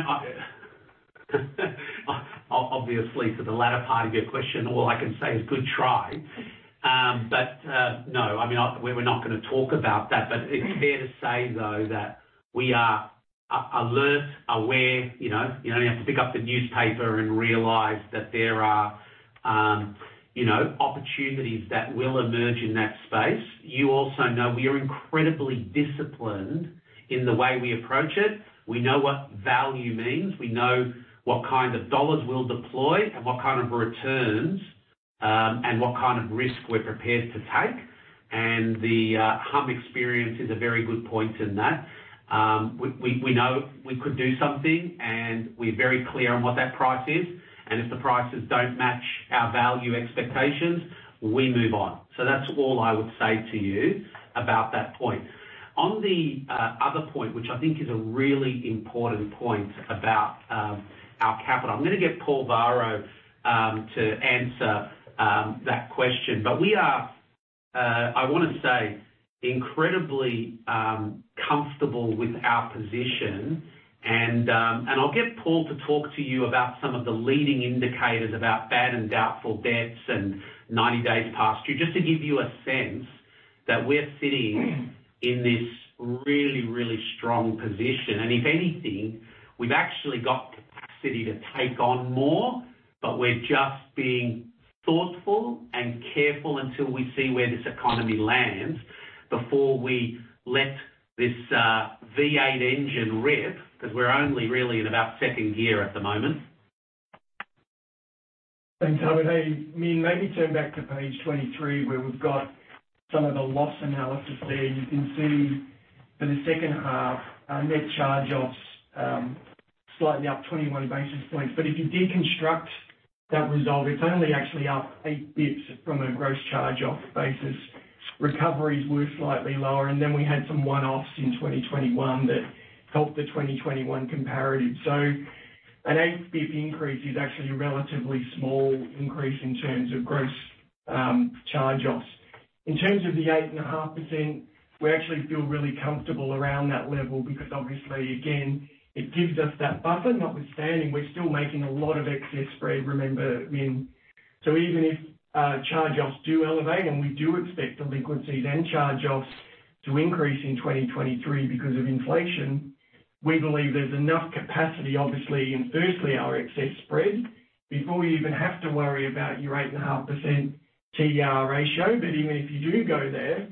obviously, for the latter part of your question, all I can say is good try. No, I mean, we're not gonna talk about that. It's fair to say, though, that we are alert, aware, you know. You only have to pick up the newspaper and realize that there are, you know, opportunities that will emerge in that space. You also know we are incredibly disciplined in the way we approach it. We know what value means. We know what kind of dollars we'll deploy and what kind of returns, and what kind of risk we're prepared to take. The Humm experience is a very good point in that. We know we could do something, and we're very clear on what that price is. If the prices don't match our value expectations, we move on. That's all I would say to you about that point. On the other point, which I think is a really important point about our capital. I'm gonna get Paul Varro to answer that question. We are, I wanna say, incredibly comfortable with our position. I'll get Paul to talk to you about some of the leading indicators about bad and doubtful debts and 90 days past due, just to give you a sense that we're sitting in this really, really strong position. If anything, we've actually got capacity to take on more, but we're just being thoughtful and careful until we see where this economy lands before we let this V8 engine rip, because we're only really in about second gear at the moment. Thanks, Ahmed. Hey, Min, maybe turn back to page 23, where we've got some of the loss analysis there. You can see for the second half, our net charge-offs, slightly up 21 basis points. If you deconstruct that result, it's only actually up eight bps from a gross charge-off basis. Recoveries were slightly lower, and then we had some one-offs in 2021 that helped the 2021 comparative. An eight bps increase is actually a relatively small increase in terms of gross charge-offs. In terms of the 8.5%, we actually feel really comfortable around that level because obviously, again, it gives us that buffer, notwithstanding we're still making a lot of excess spread, remember, Min. Even if charge-offs do elevate, and we do expect delinquencies and charge-offs to increase in 2023 because of inflation, we believe there's enough capacity, obviously, in firstly our excess spread, before you even have to worry about your 8.5% TER ratio. Even if you do go there,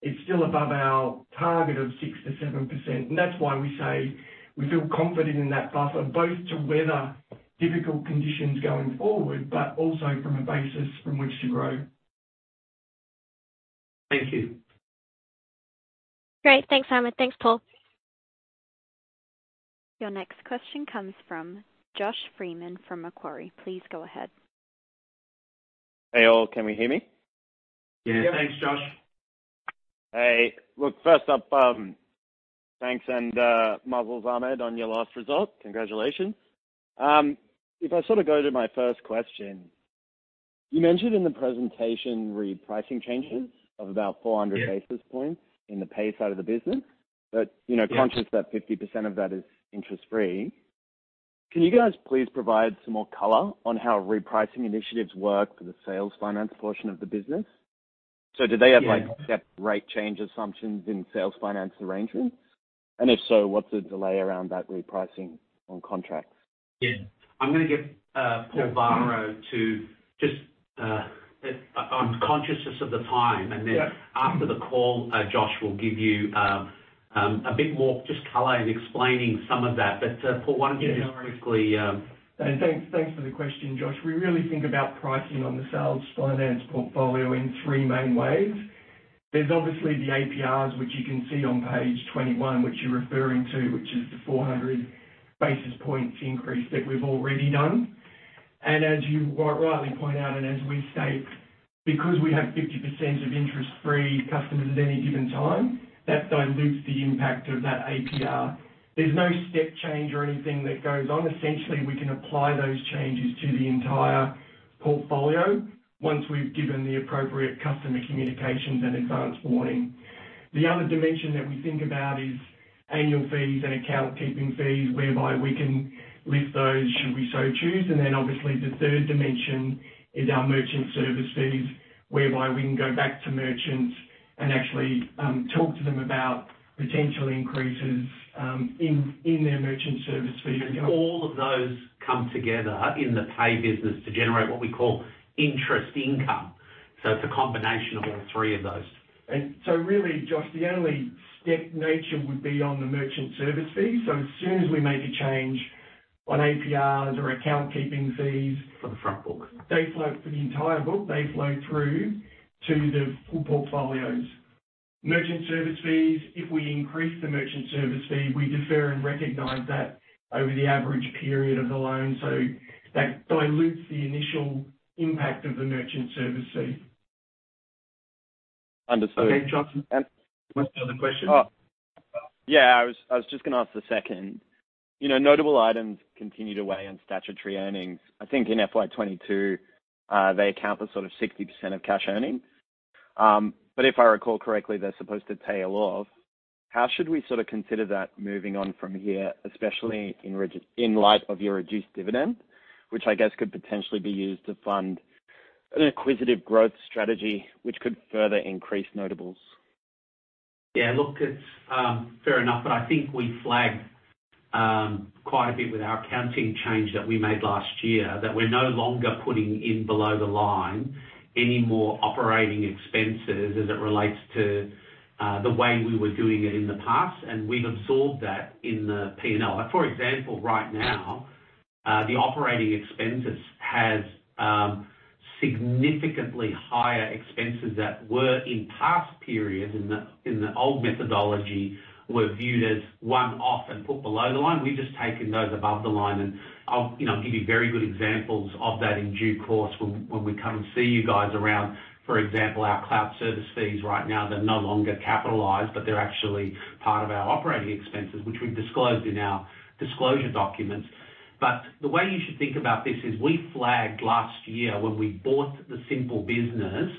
it's still above our target of 6%-7%. That's why we say we feel confident in that buffer, both to weather difficult conditions going forward, but also from a basis from which to grow. Thank you. Great. Thanks, Ahmed. Thanks, Paul. Your next question comes from Josh Freeman from Macquarie. Please go ahead. Hey all, can we hear me? Yeah, thanks, Josh. Hey, look, first up, thanks and mazels, Ahmed, on your last result. Congratulations. If I sort of go to my first question, you mentioned in the presentation repricing changes of about 400 basis points in the pay side of the business. You know, conscious that 50% of that is interest-free, can you guys please provide some more color on how repricing initiatives work for the sales finance portion of the business? Do they have, like, step rate change assumptions in sales finance arrangements? If so, what's the delay around that repricing on contracts? Yeah. I'm gonna get Paul Varro to just on consciousness of the time. Yeah. After the call, Josh, we'll give you a bit more just color in explaining some of that. Paul, why don't you just quickly. Thanks, thanks for the question, Josh. We really think about pricing on the sales finance portfolio in three main ways. There's obviously the APRs, which you can see on page 21, which you're referring to, which is the 400 basis points increase that we've already done. As you quite rightly point out, and as we've stated, because we have 50% of interest-free customers at any given time, that dilutes the impact of that APR. There's no step change or anything that goes on. Essentially, we can apply those changes to the entire portfolio once we've given the appropriate customer communications and advance warning. The other dimension that we think about is annual fees and account keeping fees, whereby we can lift those should we so choose. Obviously the third dimension is our merchant service fees, whereby we can go back to merchants and actually talk to them about potential increases in their merchant service fees. All of those come together in the pay business to generate what we call interest income. It's a combination of all three of those. Really, Josh, the only step nature would be on the merchant service fees. As soon as we make a change on APRs or account keeping fees. For the front book.... they flow for the entire book. They flow through to the full portfolios. Merchant service fees, if we increase the merchant service fee, we defer and recognize that over the average period of the loan. That dilutes the initial impact of the merchant service fee. Understood. Okay, Josh, what's the other question? I was just gonna ask the second. You know, notable items continue to weigh on statutory earnings. I think in FY 2022, they account for sort of 60% of cash earnings. If I recall correctly, they're supposed to tail off. How should we sort of consider that moving on from here, especially in light of your reduced dividend, which I guess could potentially be used to fund an acquisitive growth strategy which could further increase notables? Yeah. Look, it's fair enough, but I think we flagged quite a bit with our accounting change that we made last year, that we're no longer putting in below the line any more Operating Expenses as it relates to the way we were doing it in the past. We've absorbed that in the P&L. For example, right now, the Operating Expenses has significantly higher expenses that were in past periods, in the, in the old methodology, were viewed as one-off and put below the line. We've just taken those above the line, I'll, you know, give you very good examples of that in due course when we come and see you guys around. For example, our cloud service fees right now, they're no longer capitalized, but they're actually part of our Operating Expenses, which we've disclosed in our disclosure documents. The way you should think about this is we flagged last year when we bought the Symple business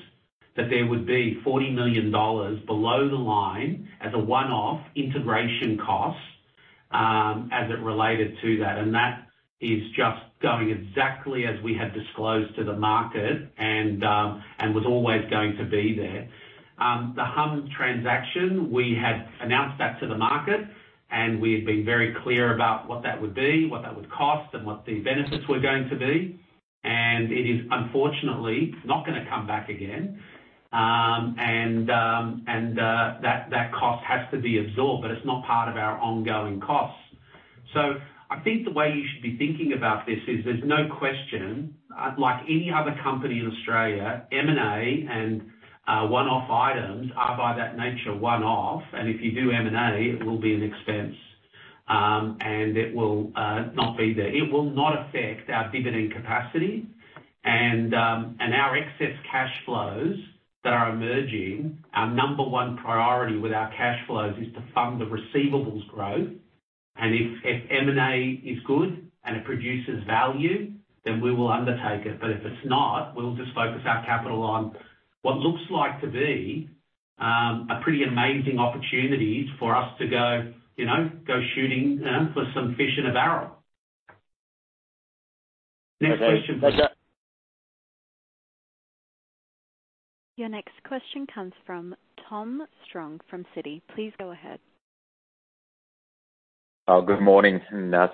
that there would be 40 million dollars below the line as a one-off integration cost as it related to that. That is just going exactly as we had disclosed to the market and was always going to be there. The Humm transaction, we had announced that to the market, and we had been very clear about what that would be, what that would cost, and what the benefits were going to be. It is unfortunately not gonna come back again. That cost has to be absorbed, but it's not part of our ongoing costs. I think the way you should be thinking about this is there's no question, like any other company in Australia, M&A and, one-off items are by that nature one-off, and if you do M&A, it will be an expense. It will not be there. It will not affect our dividend capacity and our excess cash flows that are emerging. Our number one priority with our cash flows is to fund the receivables growth. If M&A is good and it produces value, then we will undertake it. If it's not, we'll just focus our capital on what looks like to be a pretty amazing opportunity for us to go, you know, go shooting, for some fish in a barrel. Next question. Okay. Your next question comes from Thomas Strong from Citi. Please go ahead. Good morning,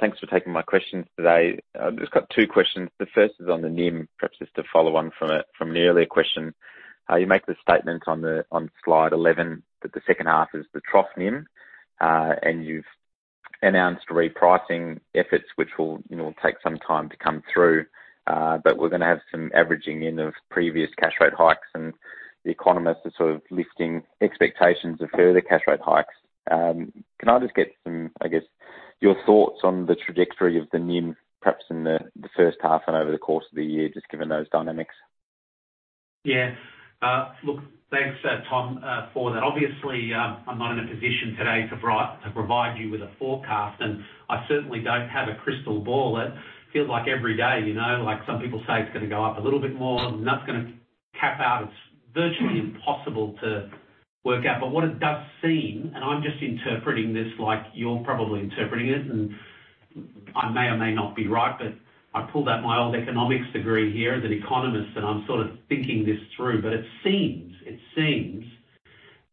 thanks for taking my questions today. I've just got two questions. The first is on the NIM, perhaps just to follow on from an earlier question. You make the statement on slide 11 that the second half is the trough NIM, and you've announced repricing efforts, which will, you know, take some time to come through. We're gonna have some averaging in the previous cash rate hikes, and the economists are sort of lifting expectations of further cash rate hikes. Can I just get some, I guess, your thoughts on the trajectory of the NIM, perhaps in the first half and over the course of the year, just given those dynamics. Look, thanks, Tom, for that. Obviously, I'm not in a position today to provide you with a forecast, and I certainly don't have a crystal ball. It feels like every day, you know, like some people say, it's gonna go up a little bit more, and that's gonna cap out. It's virtually impossible to work out. What it does seem, and I'm just interpreting this like you're probably interpreting it, and I may or may not be right, I pulled out my old economics degree here as an economist, and I'm sort of thinking this through. It seems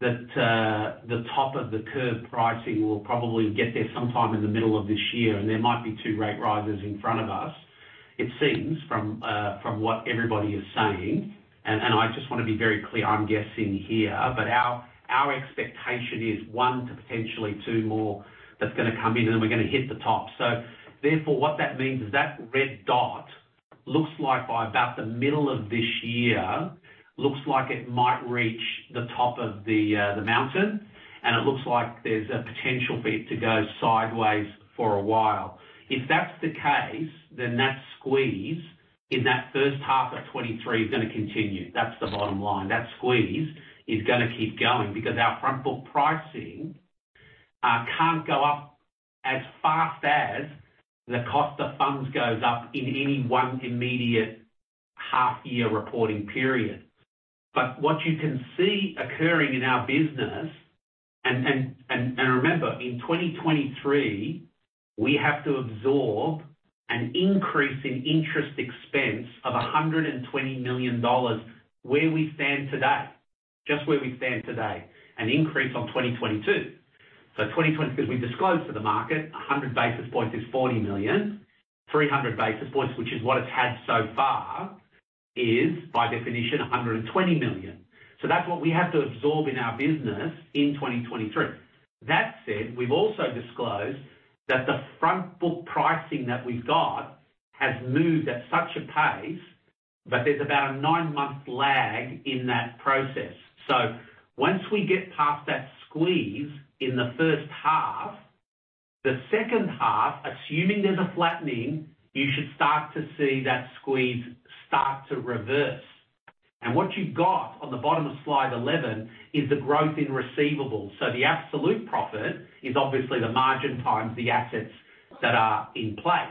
that the top of the curve pricing will probably get there sometime in the middle of this year, and there might be 2 rate rises in front of us. It seems from what everybody is saying, I just wanna be very clear, I'm guessing here, but our expectation is one to potentially two more that's gonna come in, and we're gonna hit the top. Therefore, what that means is that red dot looks like by about the middle of this year, looks like it might reach the top of the mountain, and it looks like there's a potential for it to go sideways for a while. If that's the case, that squeeze in that first half of 2023 is gonna continue. That's the bottom line. That squeeze is gonna keep going because our front book pricing can't go up as fast as the cost of funds goes up in any one immediate half year reporting period. What you can see occurring in our business and remember, in 2023, we have to absorb an increase in interest expense of 120 million dollars where we stand today, just where we stand today, an increase on 2022. 'cause we disclosed to the market 100 basis points is 40 million, 300 basis points, which is what it's had so far, is by definition 120 million. That's what we have to absorb in our business in 2023. That said, we've also disclosed that the front book pricing that we've got has moved at such a pace that there's about a nine-month lag in that process. Once we get past that squeeze in the first half, the second half, assuming there's a flattening, you should start to see that squeeze start to reverse. What you've got on the bottom of slide 11 is the growth in receivables. The absolute profit is obviously the margin times the assets that are in place.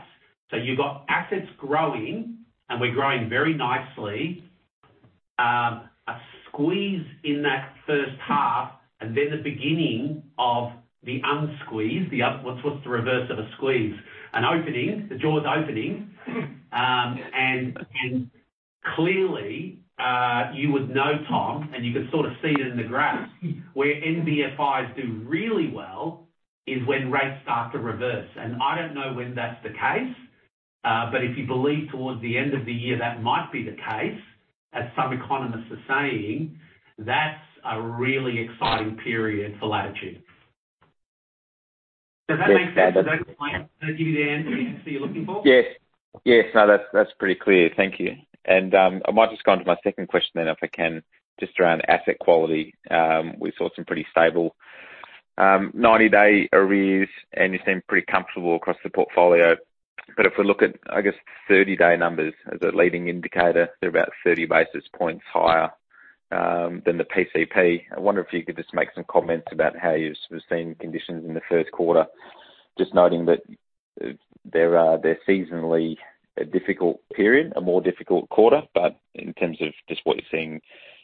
You've got assets growing, and we're growing very nicely. A squeeze in that first half and then the beginning of the unsqueeze. What's the reverse of a squeeze? An opening. The jaws opening. And clearly, you would know, Tom, and you can sort of see it in the graphs where NBFIs do really well is when rates start to reverse. I don't know when that's the case, but if you believe towards the end of the year that might be the case, as some economists are saying, that's a really exciting period for Latitude. Does that make sense? Does that give you the answer you're looking for? Yes. Yes. No, that's pretty clear. Thank you. I might just go on to my second question then, if I can, just around asset quality. We saw some pretty stable, 90-day arrears, and you seem pretty comfortable across the portfolio. If we look at, I guess, 30 day numbers as a leading indicator, they're about 30 basis points higher than the PCP. I wonder if you could just make some comments about how you've seen conditions in the first quarter, just noting that they're seasonally a difficult period, a more difficult quarter. In terms of just what you're seeing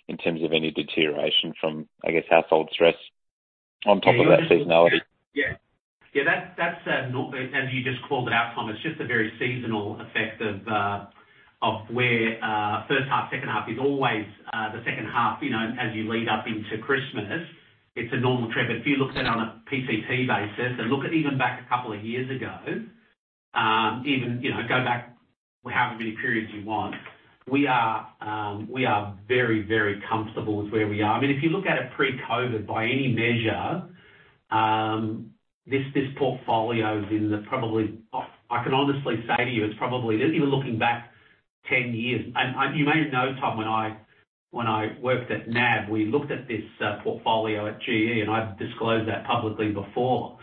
in terms of any deterioration from, I guess, household stress on top of that seasonality. Yeah. Yeah. That's As you just called it out, Tom, it's just a very seasonal effect of where first half, second half is always the second half, you know, as you lead up into Christmas, it's a normal trend. If you look at it on a PCP basis and look at even back a couple of years ago, even, you know, go back however many periods you want, we are very, very comfortable with where we are. I mean, if you look at it pre-COVID, by any measure, this portfolio is I can honestly say to you, it's probably, even looking back ten years. You may know, Tom, when I worked at NAB, we looked at this portfolio at GE, and I've disclosed that publicly before.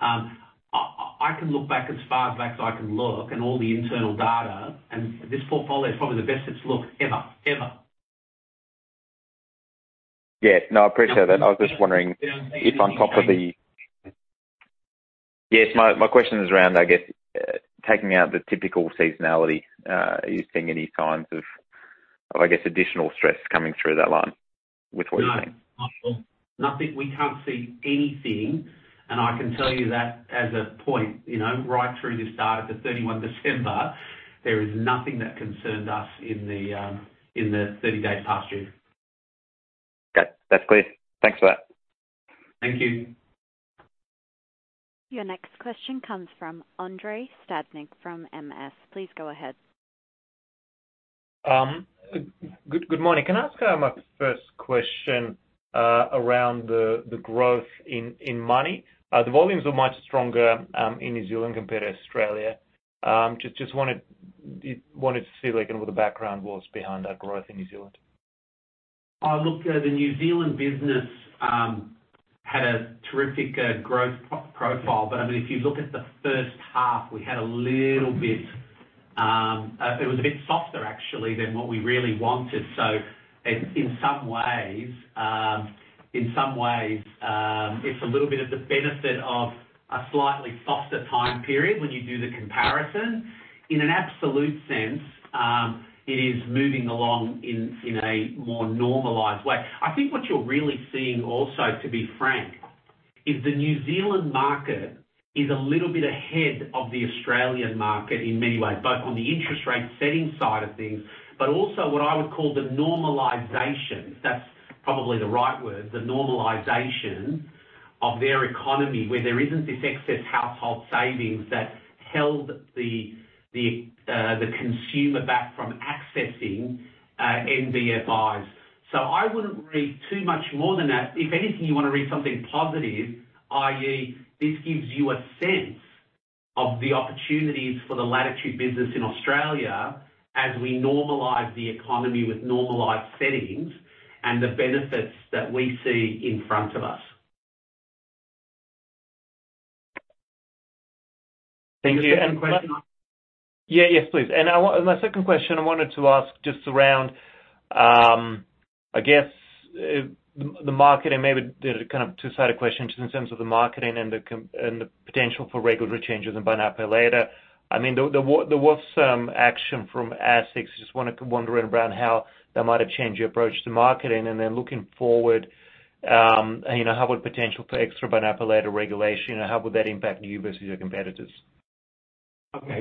I can look back as far back as I can look and all the internal data, and this portfolio is probably the best it's looked ever. Ever. Yeah. No, I appreciate that. Yes. My question is around, I guess, taking out the typical seasonality, are you seeing any signs of, I guess, additional stress coming through that line with what you're seeing? No. Not at all. Nothing. We can't see anything. I can tell you that as a point, you know, right through this data to 31 December, there is nothing that concerns us in the in the 30-day past due. Okay. That's clear. Thanks for that. Thank you. Your next question comes from Andrei Stadnik from MS. Please go ahead. Good morning. Can I ask my first question around the growth in money? The volumes were much stronger in New Zealand compared to Australia. I just wanted to see like what the background was behind that growth in New Zealand. Look, the New Zealand business had a terrific growth profile, but I mean, if you look at the first half, we had a little bit it was a bit softer actually, than what we really wanted. In some ways, it's a little bit of the benefit of a slightly softer time period when you do the comparison. In an absolute sense, it is moving along in a more normalized way. I think what you're really seeing also, to be frank, is the New Zealand market is a little bit ahead of the Australian market in many ways, both on the interest rate setting side of things, but also what I would call the normalization. That's probably the right word, the normalization of their economy, where there isn't this excess household savings that held the consumer back from accessing NBFS. I wouldn't read too much more than that. If anything, you wanna read something positive, i.e. this gives you a sense of the opportunities for the Latitude business in Australia as we normalize the economy with normalized settings and the benefits that we see in front of us. Thank you. Is there any question? Yeah. Yes, please. My second question I wanted to ask just around, I guess the market and maybe the kind of two-sided question just in terms of the marketing and the potential for regulatory changes in buy now, pay later. I mean, there was some action from ASX. Just wondering around how that might have changed your approach to marketing. Looking forward, you know, how would potential for extra buy now, pay later regulation, how would that impact you versus your competitors?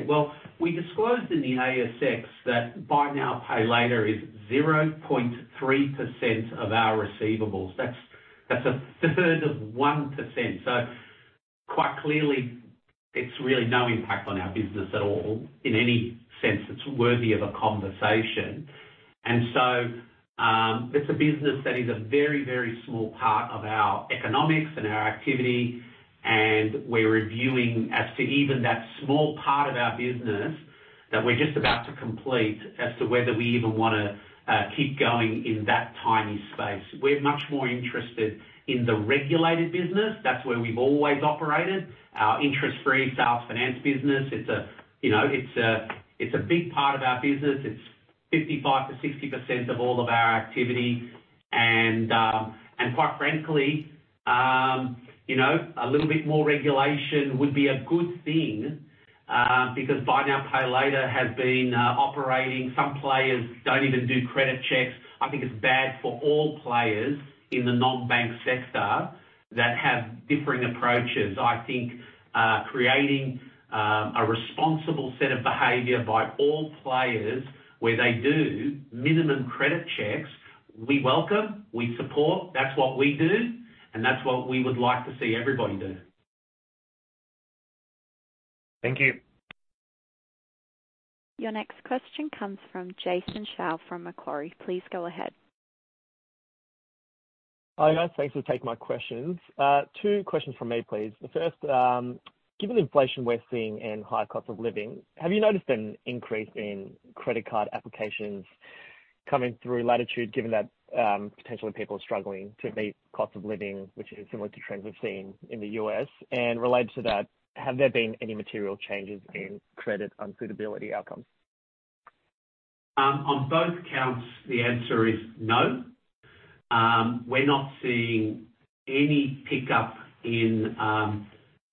Well, we disclosed in the ASX that buy now, pay later is 0.3% of our receivables. That's a third of 1%. Quite clearly, it's really no impact on our business at all in any sense that's worthy of a conversation. It's a business that is a very, very small part of our economics and our activity, and we're reviewing as to even that small part of our business that we're just about to complete as to whether we even wanna keep going in that tiny space. We're much more interested in the regulated business. That's where we've always operated. Our interest-free sales finance business. It's a, you know, it's a big part of our business. It's 55%-60% of all of our activity. Quite frankly, you know, a little bit more regulation would be a good thing because buy now, pay later has been operating. Some players don't even do credit checks. I think it's bad for all players in the non-bank sector that have differing approaches. I think creating a responsible set of behavior by all players where they do minimum credit checks, we welcome, we support. That's what we do, and that's what we would like to see everybody do. Thank you. Your next question comes from Jason Shao from Macquarie. Please go ahead. Hi. Thanks for taking my questions. Two questions from me, please. The first, given the inflation we're seeing and high cost of living, have you noticed an increase in credit card applications coming through Latitude given that potentially people are struggling to meet cost of living, which is similar to trends we've seen in the U.S.? Related to that, have there been any material changes in credit unsuitability outcomes? On both counts, the answer is no. We're not seeing any pickup in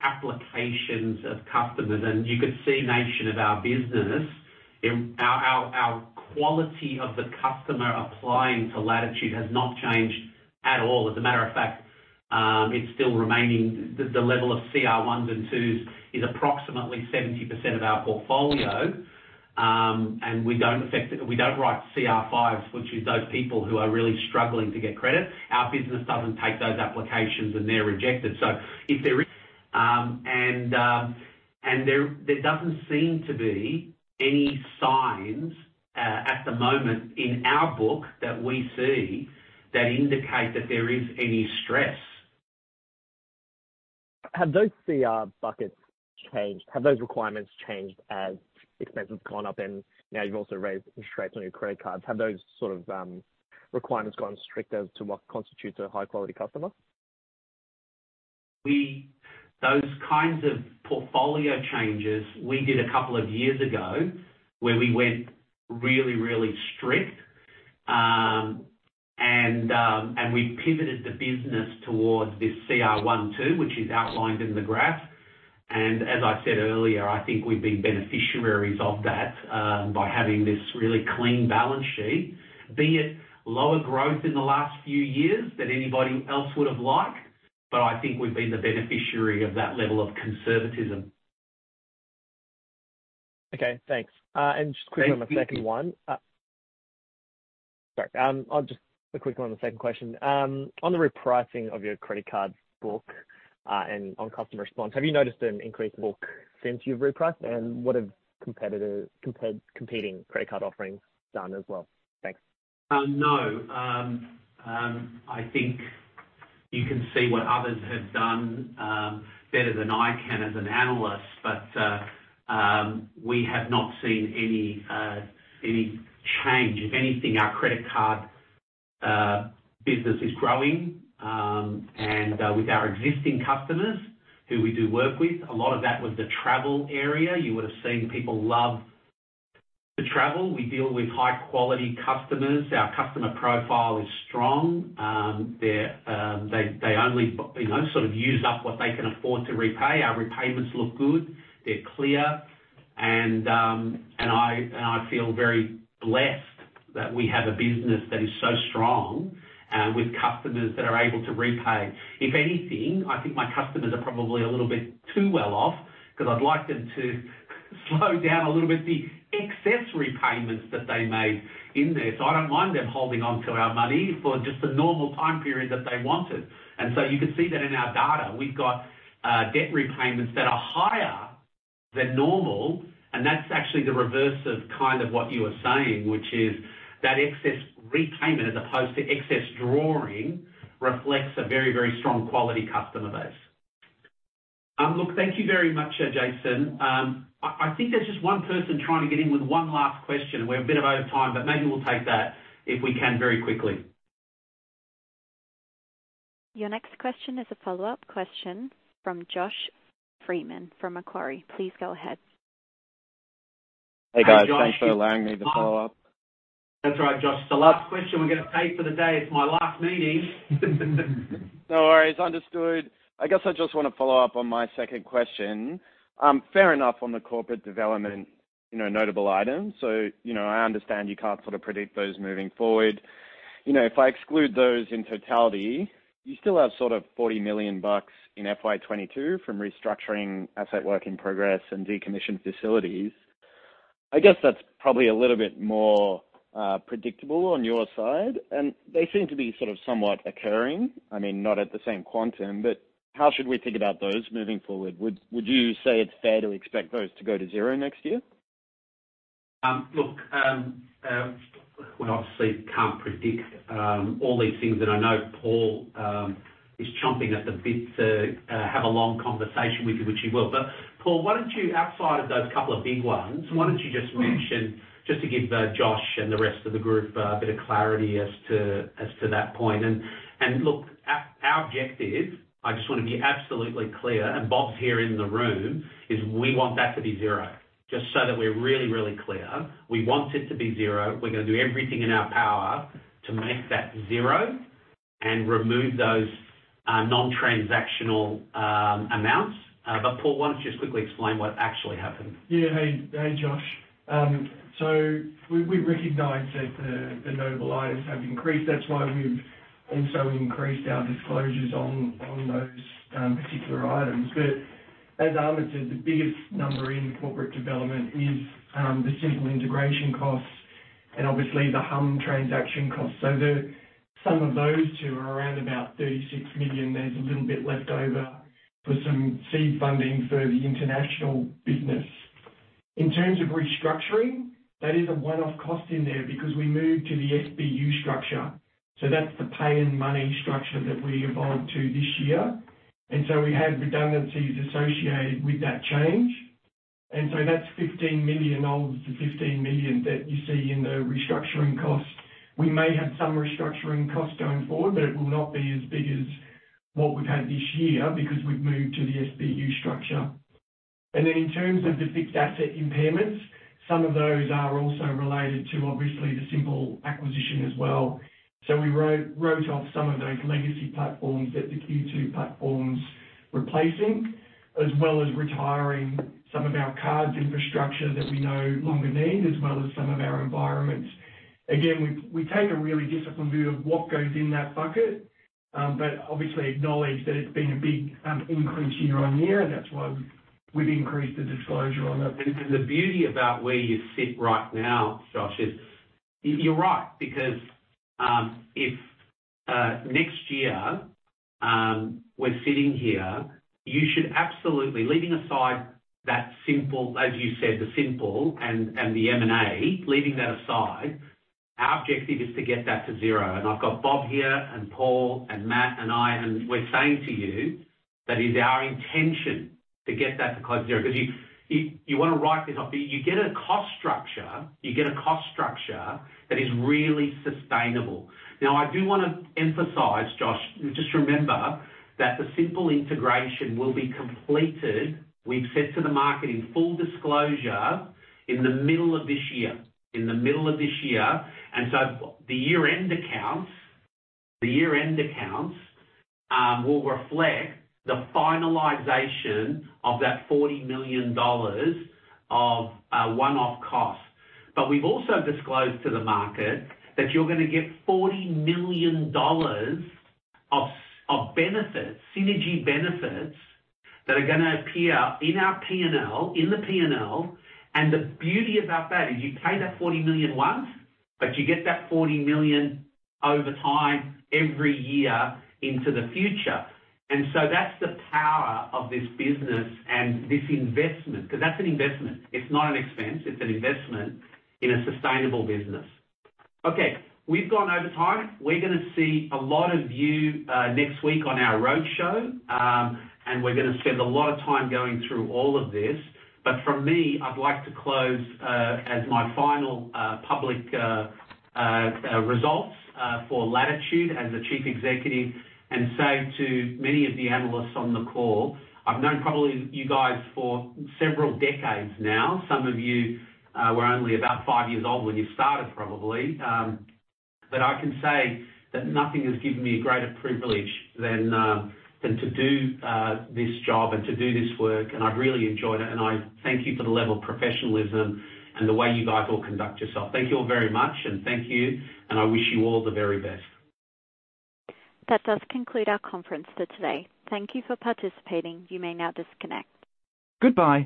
applications of customers. You could see the nature of our business. Our quality of the customer applying to Latitude has not changed at all. As a matter of fact, it's still remaining. The level of CR 1s and 2s is approximately 70% of our portfolio, and we don't affect it. We don't write CR 5s, which is those people who are really struggling to get credit. Our business doesn't take those applications, and they're rejected. If there is, and there doesn't seem to be any signs at the moment in our book that we see that indicate that there is any stress. Have those CR buckets changed? Have those requirements changed as expenses have gone up and now you've also raised interest rates on your credit cards? Have those sort of requirements gotten stricter as to what constitutes a high-quality customer? Those kinds of portfolio changes we did a couple of years ago where we went really, really strict. And we pivoted the business towards this CR 1/2, which is outlined in the graph. As I said earlier, I think we've been beneficiaries of that by having this really clean balance sheet. Be it lower growth in the last few years than anybody else would have liked, I think we've been the beneficiary of that level of conservatism. Okay, thanks. Thank you. On my second one. Sorry. A quick one on the second question. On the repricing of your credit card book, and on customer response, have you noticed an increased book since you've repriced? What have competitors competing credit card offerings done as well? Thanks. No. I think you can see what others have done, better than I can as an analyst, but we have not seen any change. If anything, our credit card business is growing, and with our existing customers who we do work with, a lot of that was the travel area. You would have seen people love to travel. We deal with high-quality customers. Our customer profile is strong. They're, they only, you know, sort of use up what they can afford to repay. Our repayments look good. They're clear. I feel very blessed that we have a business that is so strong, with customers that are able to repay. If anything, I think my customers are probably a little bit too well off because I'd like them to slow down a little bit the excess repayments that they made in there. I don't mind them holding on to our money for just the normal time period that they wanted. You can see that in our data. We've got debt repayments that are higher than normal, and that's actually the reverse of kind of what you are saying, which is that excess repayment, as opposed to excess drawing, reflects a very, very strong quality customer base. Look, thank you very much, Jason. I think there's just one person trying to get in with one last question. We're a bit over time, but maybe we'll take that, if we can, very quickly. Your next question is a follow-up question from Josh Freeman from Macquarie. Please go ahead. Hey, guys. Hey, Josh. Thanks for allowing me to follow up. That's right, Josh. It's the last question we're gonna take for the day. It's my last meeting. No worries. Understood. I guess I just wanna follow up on my second question. Fair enough on the corporate development, you know, notable items. You know, I understand you can't sort of predict those moving forward. You know, if I exclude those in totality, you still have sort of 40 million bucks in FY 2022 from restructuring asset work in progress and decommissioned facilities. I guess that's probably a little bit more predictable on your side. They seem to be sort of somewhat occurring, I mean, not at the same quantum, but how should we think about those moving forward? Would you say it's fair to expect those to go to zero next year? Look, we obviously can't predict all these things, and I know Paul is chomping at the bit to have a long conversation with you, which he will. Paul, why don't you outside of those couple of big ones, why don't you just mention, just to give Josh and the rest of the group a bit of clarity as to that point. Look, our objective, I just wanna be absolutely clear, and Bob's here in the room, is we want that to be zero. Just so that we're really, really clear, we want it to be zero. We're gonna do everything in our power to make that zero and remove those non-transactional amounts. Paul, why don't you just quickly explain what actually happened? Josh. We recognize that the notable items have increased. That's why we've also increased our disclosures on those particular items. As Ahmed said, the biggest number in corporate development is the Symple integration costs and obviously the Humm transaction costs. The sum of those two are around about 36 million. There's a little bit left over for some seed funding for the international business. In terms of restructuring, that is a one-off cost in there because we moved to the SBU structure. That's the pay and money structure that we evolved to this year. We had redundancies associated with that change. That's 15 million dollars of the 15 million that you see in the restructuring costs. We may have some restructuring costs going forward, it will not be as big as what we've had this year because we've moved to the SBU structure. In terms of the fixed asset impairments, some of those are also related to obviously the Symple acquisition as well. We wrote off some of those legacy platforms that the Q2 platform's replacing, as well as retiring some of our cards infrastructure that we no longer need, as well as some of our environments. Again, we take a really disciplined view of what goes in that bucket, but obviously acknowledge that it's been a big increase year-on-year, and that's why we've increased the disclosure on that. The beauty about where you sit right now, Josh, is you're right. If next year, we're sitting here, you should absolutely, leaving aside that Symple, as you said, the Symple and the M&A, leaving that aside, our objective is to get that to zero. I've got Bob here and Paul and Matthew and I, and we're saying to you that it's our intention to get that to close to 0. You wanna write this off. You get a cost structure that is really sustainable. I do wanna emphasize, Josh, just remember that the Symple integration will be completed, we've said to the market in full disclosure, in the middle of this year. In the middle of this year. The year-end accounts will reflect the finalization of that $40 million of one-off costs. We've also disclosed to the market that you're going to get $40 million of benefits, synergy benefits, that are going to appear in our P&L. The beauty about that is you pay that $40 million once, but you get that $40 million over time every year into the future. That's the power of this business and this investment, because that's an investment. It's not an expense, it's an investment in a sustainable business. Okay, we've gone over time. We're going to see a lot of you next week on our roadshow, and we're going to spend a lot of time going through all of this. From me, I'd like to close, as my final, public, results, for Latitude as the chief executive and say to many of the analysts on the call, I've known probably you guys for several decades now. Some of you, were only about five years old when you started, probably. I can say that nothing has given me a greater privilege than to do, this job and to do this work, and I've really enjoyed it. I thank you for the level of professionalism and the way you guys all conduct yourself. Thank you all very much, and thank you, and I wish you all the very best. That does conclude our conference for today. Thank you for participating. You may now disconnect. Goodbye.